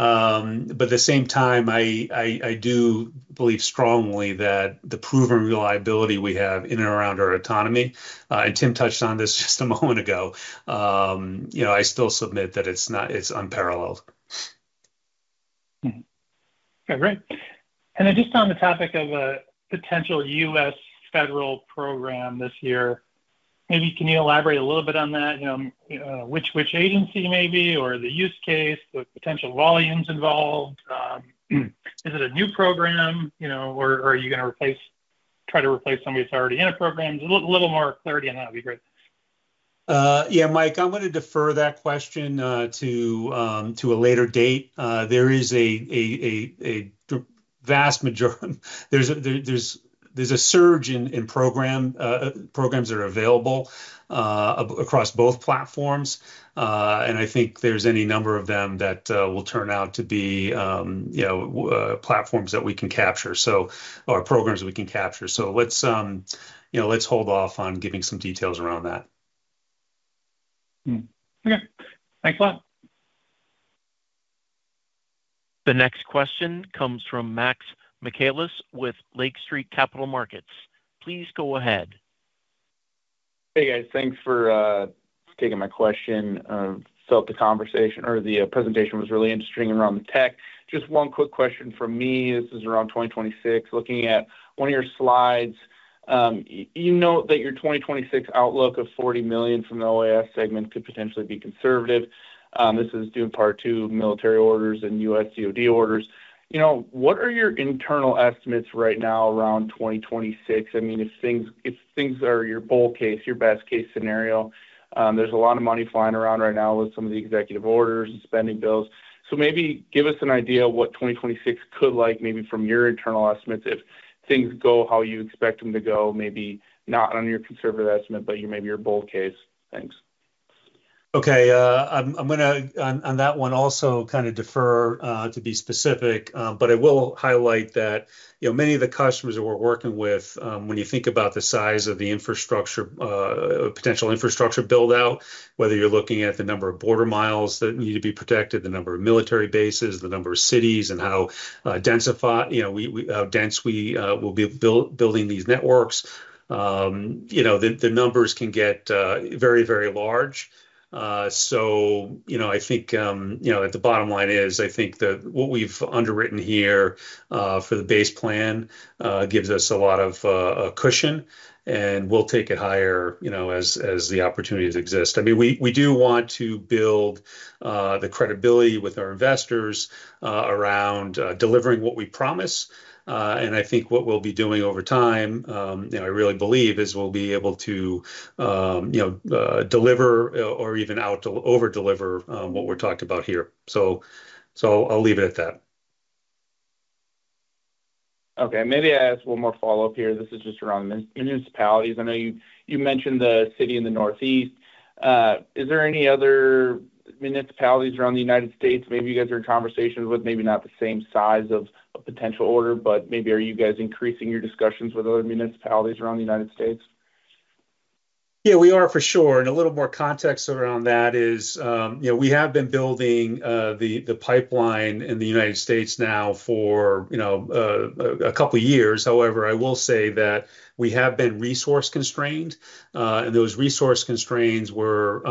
S2: the same time, I do believe strongly that the proven reliability we have in and around our autonomy, and Tim touched on this just a moment ago, I still submit that it's not, it's unparalleled.
S10: On the topic of a potential U.S. Federal program this year, can you elaborate a little bit on that? Which agency maybe, or the use case, the potential volumes involved? Is it a new program or are you going to try to replace somebody that's already in a program? A little more clarity on that would be great.
S2: Yeah, Mike, I'm going to defer that question to a later date. There is a vast majority. There's a surge in programs that are available across both platforms, and I think there's any number of them that will turn out to be platforms that we can capture. Our programs we can capture. Let's hold off on giving some details around that.
S10: Okay, thanks a lot.
S1: The next question comes from Max Michaelis with Lake Street Capital Markets. Please go ahead.
S11: Hey guys, thanks for taking my question. Felt the conversation or the presentation was really interesting around the tech. Just one quick question from me. This is around 2026. Looking at one of your slides, you know that your 2026 outlook of $40 million from the OAS segment could potentially be conservative. This is due in part to military orders and U.S. DOD orders. You know, what are your internal estimates right now? Around 2026. I mean if things, if things are your bull case, your best case scenario, there's a lot of money flying around right now with some of the executive orders and spending bills. Maybe give us an idea of what 2026 could look like maybe from your internal estimates if things go how you expect them to go. Maybe not on your conservative estimate, but maybe your bull case. Thanks.
S2: Okay, I'm going to on that one also kind of defer to be specific, but I will highlight that many of the customers that we're working with, when you think about the size of the infrastructure, potential infrastructure build out, whether you're looking at the number of border miles that need to be protected, the number of military bases, the number of cities and how densified, how dense we will be building these networks, the numbers can get very, very large. I think at the bottom line is I think that what we've underwritten here for the base plan gives us a lot of cushion and we'll take it higher as the opportunities exist. We do want to build the credibility with our investors around delivering what we promise. I think what we'll be doing over time, I really believe, is we'll be able to deliver or even over deliver what we're talking about here. I'll leave it at that.
S11: Okay, maybe I ask one more follow up here. This is just around municipalities. I know you mentioned the city in the Northeast. Is there any other municipalities around the United States? Maybe you guys are in conversations with, maybe not the same size of a potential order, but maybe. Are you guys increasing your discussions with other municipalities around the United States?
S2: Yeah, we are for sure. A little more context around that is, we have been building the pipeline in the United States now for a couple of years. However, I will say that we have been resource constrained, and those resource constraints were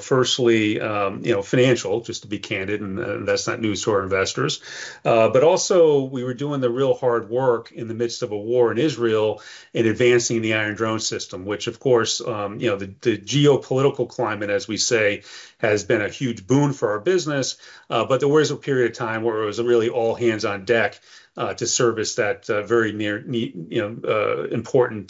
S2: firstly financial, just to be candid. That's not news to our investors. We were doing the real hard work in the midst of a war in Israel in advancing the Iron Drone Raider system, which of course the geopolitical climate, as we say, has been a huge boon for our business. There was a period of time where it was really all hands on deck to service that very near important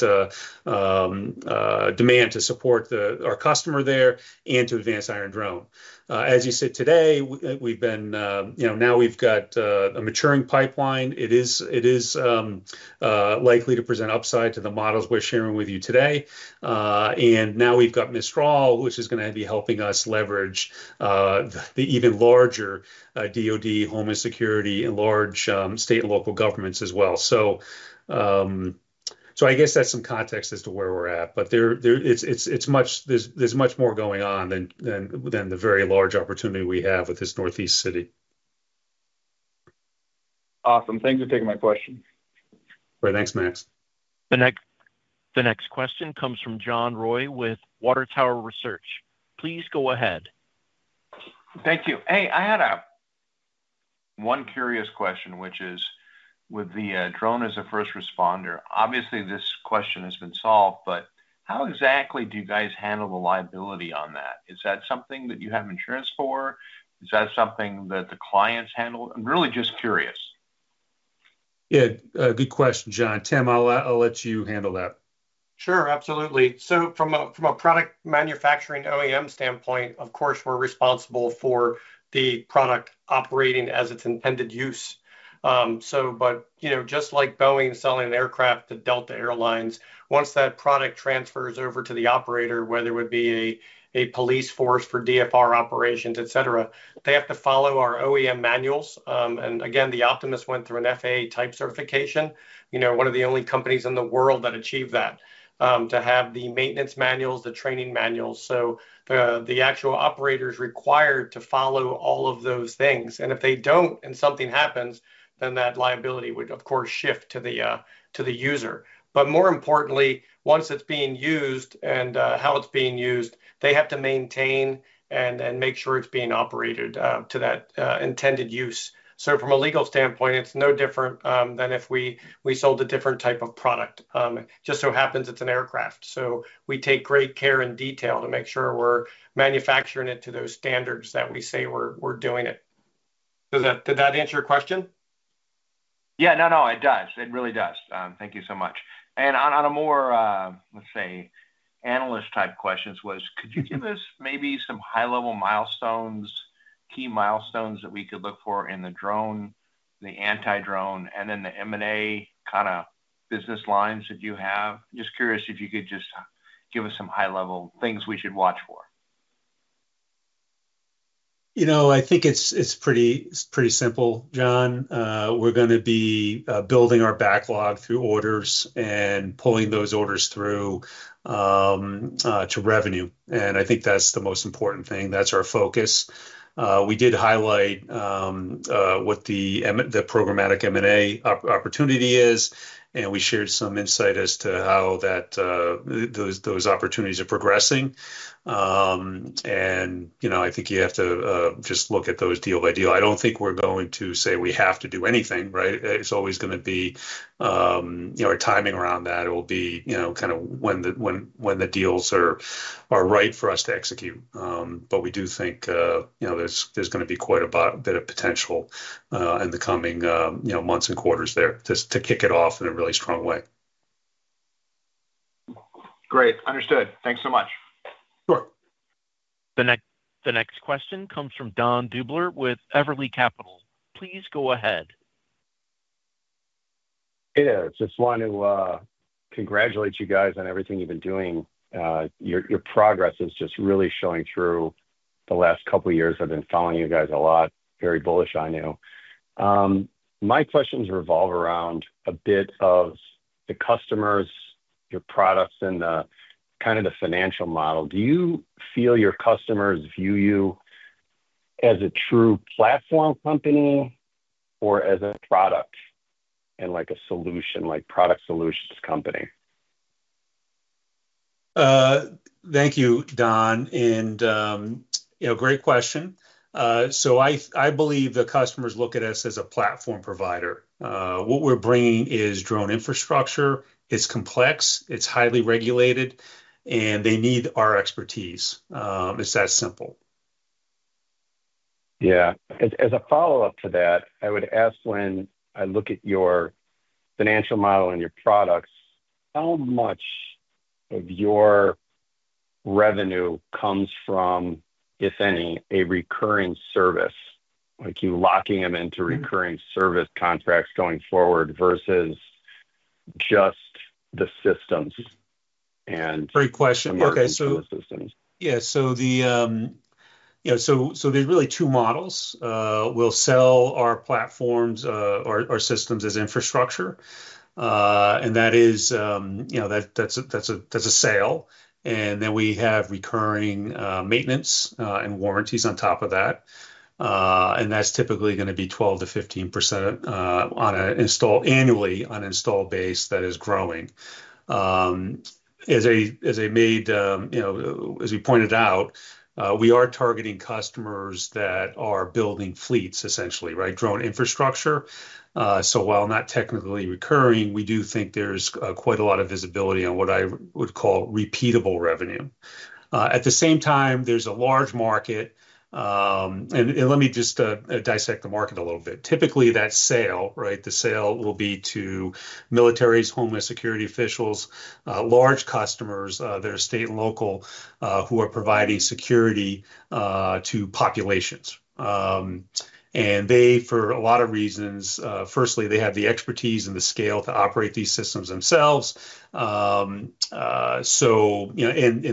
S2: demand to support our customer there to advance Iron Drone Raider. As you said today, we've got a maturing pipeline. It is likely to present upside to the models we're sharing with you today. Now we've got Mistral, which is going to be helping us leverage the even larger DoD, Homeland Security, and large state and local governments as well. I guess that's some context as to where we're at, but there's much more going on than the very large opportunity we have with this northeast city.
S11: Awesome. Thanks for taking my question.
S2: Thanks, Max.
S1: The next question comes from John Roy with Water Tower Research. Please go ahead.
S12: Thank you. Hey, I had one curious question, which is with the drone as a first responder, obviously this question has been solved, but how exactly do you guys handle the liability on that? Is that something that you have insurance for? Is that something that the clients handle? I'm really just curious.
S2: Yeah, good question, John. Tim, I'll let you handle that.
S4: Sure, absolutely. From a product manufacturing OEM standpoint, of course we're responsible for the product operating as its intended use. Just like Boeing selling aircraft to Delta Airlines, once that product transfers over to the operator, whether it be a police force for DFR operations, et cetera, they have to follow our OEM manuals. The Optimus went through an FAA type certification, one of the only companies in the world that achieved that, to have the maintenance manuals, the training manuals, so the actual operator is required to follow all of those things. If they don't and something happens, then that liability would, of course, shift to the user. More importantly, once it's being used and how it's being used, they have to maintain and make sure it's being operated to that intended use. From a legal standpoint, it's no different than if we sold a different type of product. It just so happens it's an aircraft. We take great care in detail to make sure we're manufacturing it to those standards that we say we're doing it. Does that, did that answer your question?
S12: Yeah, no, it does. It really does. Thank you so much. On a more, let's say, analyst type question, could you give us maybe some high level milestones, key milestones that we could look for in the drone, the anti-drone, and then the M&A kind of business lines that you have? Just curious if you could just give us some high level things we should watch for.
S2: I think it's pretty simple, John. We're going to be building our backlog through orders and pulling those orders through to revenue, and I think that's the most important thing. That's our focus. We did highlight what the programmatic M&A opportunity is, and we shared some insight as to how those opportunities are progressing. I think you have to just look at those deal by deal. I don't think we're going to say we have to do anything right. It's always going to be our timing around that. It will be kind of when the deals are right for us to execute. We do think there's going to be quite a bit of potential in the coming months and quarters there to kick it off in a really strong way.
S12: Great, understood. Thanks so much.
S1: The next question comes from Don Deubler with Everly Capital. Please go ahead.
S13: I just want to congratulate you guys on everything you've been doing. Your progress is just really showing through the last couple years. I've been following you guys a lot. Very bullish on you. My questions revolve around a bit of the customers, your products, and kind of the financial model. Do you feel your customers view you as a true platform company or as a product and like a solution, like product solutions company?
S2: Thank you, Don. Great question. I believe the customers look at us as a platform provider, what we're bringing is drone infrastructure. It's complex, it's highly regulated, and they need our expertise. It's that simple.
S13: Yeah. As a follow up to that, I would ask when I look at your financial model and your products, how much of your revenue comes from, if any, a recurring service like you locking them into recurring service contracts going forward versus just the systems.
S2: Great question. Okay, so yeah, the, you know. There's really two models. We sell our platforms or our systems as infrastructure, and that is a sale. Then we have recurring maintenance and warranties on top of that. That's typically going to be 12% to 15% on an install annually, on install base that is growing. As I made, as you pointed out, we are targeting customers that are building fleets, essentially, right. Drone infrastructure. While not technically recurring, we do think there's quite a lot of visibility on what I would call repeatable revenue. At the same time, there's a large market. Let me just dissect the market a little bit. Typically, that sale, right, the sale will be to militaries, homeland security officials, large customers that are state and local who are providing security to populations. For a lot of reasons, firstly, they have the expertise and the scale to operate these systems themselves.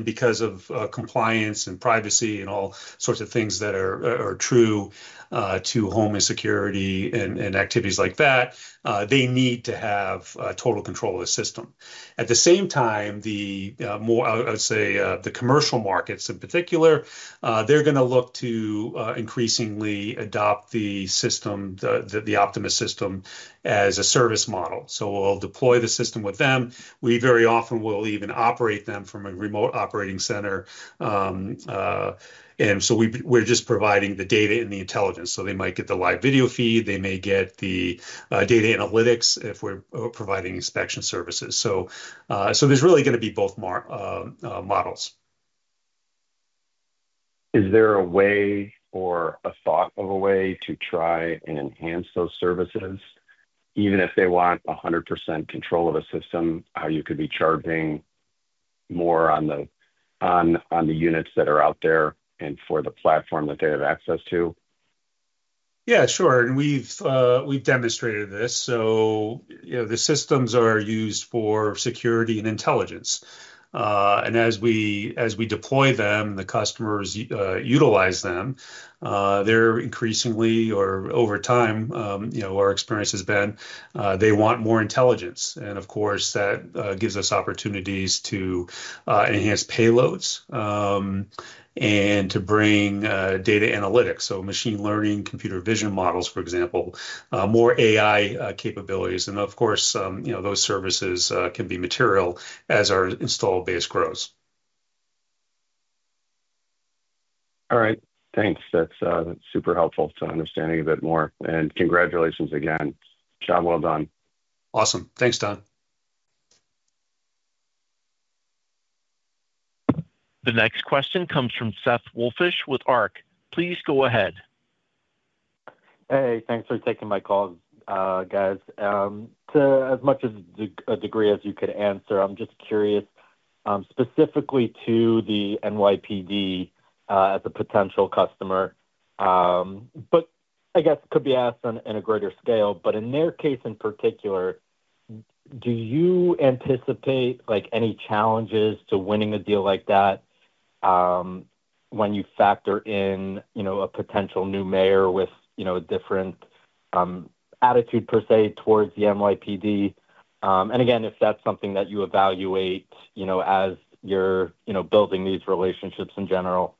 S2: Because of compliance and privacy and all sorts of things that are true to homeland security and activities like that, they need to have total control of the system. At the same time, the more, I would say, the commercial markets in particular, they're going to look to increasingly adopt the system, the Optimus System, as a service model. We'll deploy the system with them. We very often will even operate them from a remote operating center. We're just providing the data and the intelligence. They might get the live video feed, they may get the data analytics if we're providing inspection services. There's really going to be both models.
S13: Is there a way or a thought of a way to try and enhance those services? Even if they want 100% control of a system, how you could be charging more on the units that are out there and for the platform that they have access to?
S2: Yeah, sure. We have demonstrated this. The systems are used for security and intelligence, and as we deploy them, the customers utilize them. Over time, our experience has been they want more intelligence. That gives us opportunities to enhance payloads and to bring data analytics, so machine learning, computer vision models, for example, more AI capabilities. Those services can be material as our installed base grows.
S13: All right, thanks. That's super helpful to understanding a bit more. Congratulations again. Job well done.
S2: Awesome, thanks Don.
S1: The next question comes from Seth Wolfish with Ark. Please go ahead.
S14: Hey, thanks for taking my calls, guys. To as much as a degree as you could answer, I'm just curious specifically to the NYPD as a potential customer, but I guess could be asked on a greater scale. In their case in particular, do you anticipate any challenges to winning a deal like that when you factor in a potential new mayor with a different attitude per se towards the NYPD? If that's something that you evaluate as you're building these relationships in general.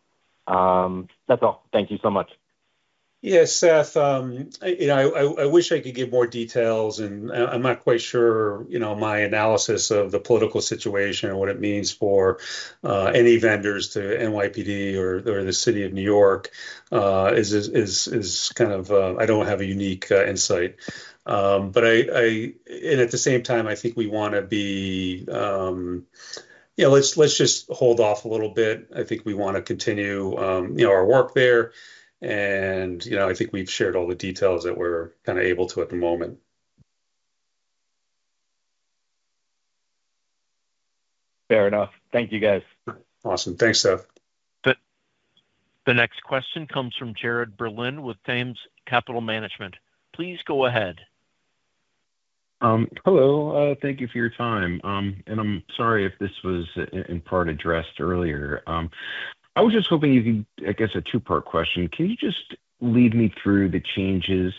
S14: That's all. Thank you so much.
S2: Yes, Seth. I wish I could give more details, and I'm not quite sure. You know, my analysis of the political situation and what it means for any vendors to NYPD or the city of New York is kind of, I don't have a unique insight, but at the same time, I think we want to be. Let's just hold off a little bit. I think we want to continue our work there, and I think we've shared all the details that we're kind of able to at the moment.
S14: Fair enough. Thank you, guys.
S2: Awesome. Thanks, Seth.
S1: The next question comes from Jared Berlin with Thames Capital Management. Please go ahead.
S15: Hello. Thank you for your time and I'm sorry if this was in part addressed earlier. I was just hoping you can, I guess a two part question. Can you just lead me through the changes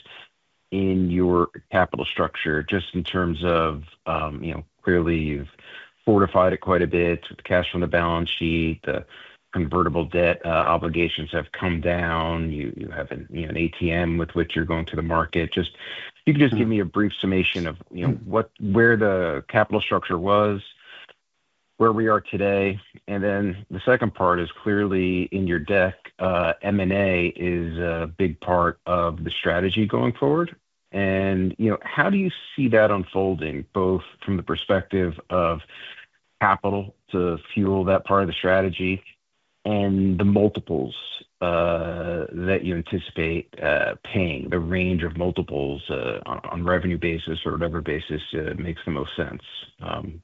S15: in your capital structure just in terms of, you know, clearly you've fortified it quite a bit. Cash on the balance sheet, the convertible debt obligations have come down, you have an ATM with which you're going to the market. Just, you could just give me a brief summation of where the capital structure was, where we are today. The second part is clearly in your deck. M&A is a big part of the strategy going forward. How do you see that unfolding both from the perspective of capital to fuel that part of the strategy and the multiples that you anticipate paying, the range of multiples on revenue basis or whatever basis makes the most sense.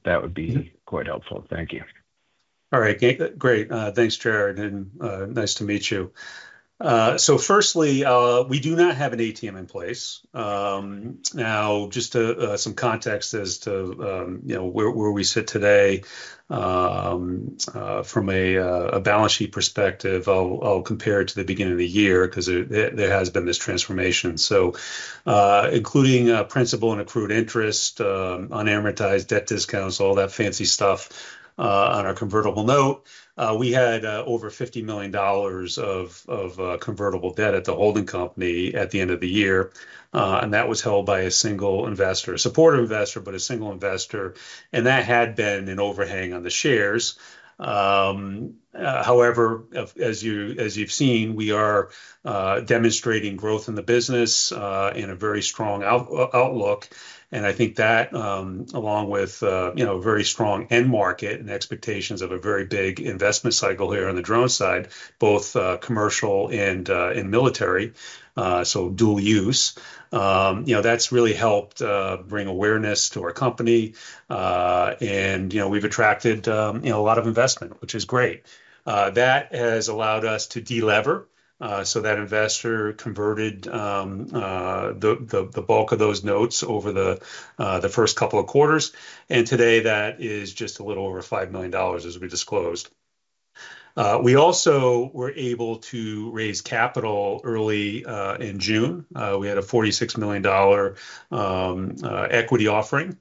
S15: That would be quite helpful, thank you.
S2: All right, great, thanks, Jared, and nice to meet you. Firstly, we do not have an ATM in place now, just some context as to, you know, where we sit today from a balance sheet perspective. I'll compare it to the beginning of the year because there has been this transformation. Including principal and accrued interest, unamortized debt, discounts, all that fancy stuff, on our convertible note, we had over $50 million of convertible debt at the holding company at the end of the year. That was held by a single investor, supportive investor, but a single investor, and that had been an overhang on the shares. However, as you've seen, we are demonstrating growth in the business and a very strong outlook. I think that along with a very strong end market expectations of a very big investment cycle here on the drone side, both commercial and military, dual use, you know, that's really helped bring awareness to our company. We've attracted, you know, a lot of investment, which is great. That has allowed us to delever. That investor converted the bulk of those notes over the first couple of quarters and today that is just a little over $5 million. As we disclosed, we also were able to raise capital. Early in June we had a $46 million equity offering,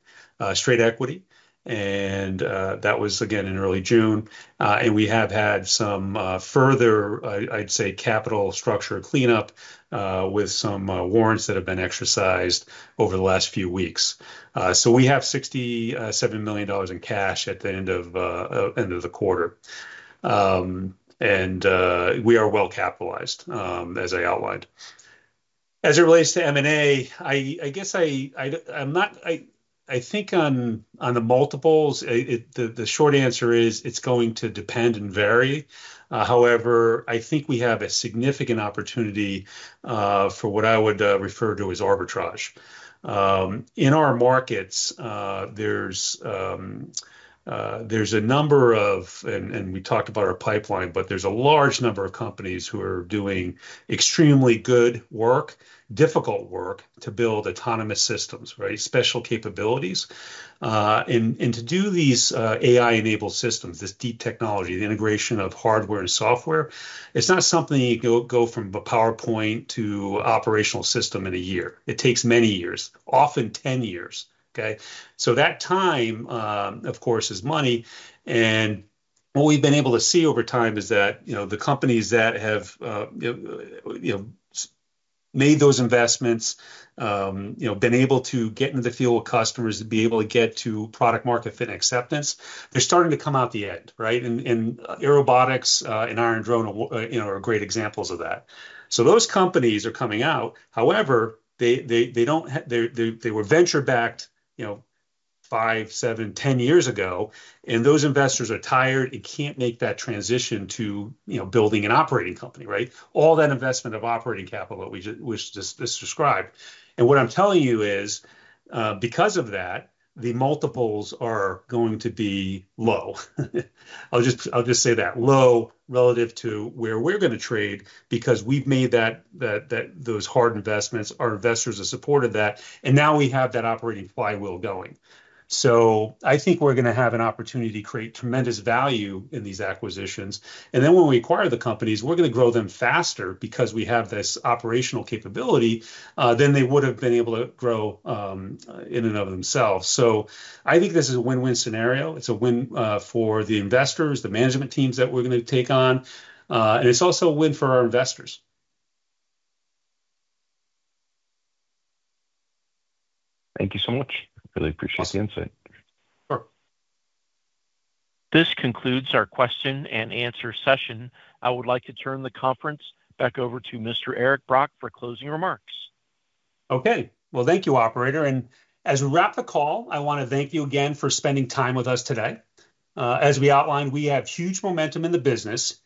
S2: straight equity, that was again in early June. We have had some further, I'd say, capital structure cleanup with some warrants that have been exercised over the last few weeks. We have $67 million in cash at the end of the quarter and we are well capitalized as I outlined. As it relates to M&A, I guess I'm not. I think on the multiples, the short answer is it's going to depend and vary. However, I think we have a significant opportunity for what I would refer to as arbitrage in our markets. There's a number of, and we talked about our pipeline, but there's a large number of companies who are doing extremely good work, difficult work to build autonomous systems, special capabilities and to do these AI enabled systems. This deep technology, the integration of hardware and software, it's not something you go from a PowerPoint to operational system in a year. It takes many years, often 10 years. Okay, that time of course is money. What we've been able to see over time, is that the companies that have made those investments, been able to get into the field with customers, to be able to get to product market fit, acceptance, they're starting to come out the end. Right? Airobotics and Iron Drone are great examples of that. Those companies are coming out. However, they were venture backed five, seven, ten years ago and those investors are tired and can't make that transition to building an operating company. All that investment of operating capital that's described, and what I'm telling you is because of that, the multiples are going to be low. I'll just say that low relative to where we're going to trade because we've made those hard investments, our investors have supported that, and now we have that operating flywheel going. I think we're going to have an opportunity to create tremendous value in these acquisitions when we acquire the companies. We're going to grow them faster because we have this operational capability, then they would have been able to grow in and of themselves. I think this is a win-win scenario. It's a win for the investors. Management teams that we're going to take, it's also a win for our investors.
S15: Thank you so much. Really appreciate the insight.
S1: This concludes our question and answer session. I would like to turn the conference back over to Mr. Eric Brock for closing remarks.
S2: Okay. Thank you, operator. As we wrap the call, I want to thank you again for spending time with us today. As we outlined, we have huge momentum in the business,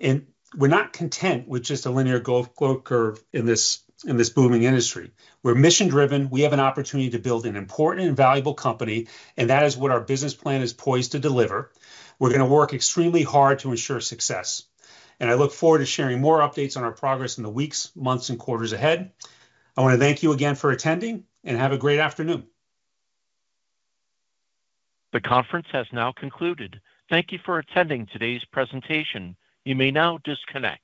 S2: and we're not content with just a linear growth curve in this booming industry. We're mission driven. We have an opportunity to build an important and valuable company, and that is what our business plan is poised to deliver. We're going to work extremely hard to ensure success, and I look forward to sharing more updates on our progress in the weeks, months, and quarters ahead. I want to thank you again for attending, and have a great afternoon.
S1: The conference has now concluded. Thank you for attending today's presentation. You may now disconnect.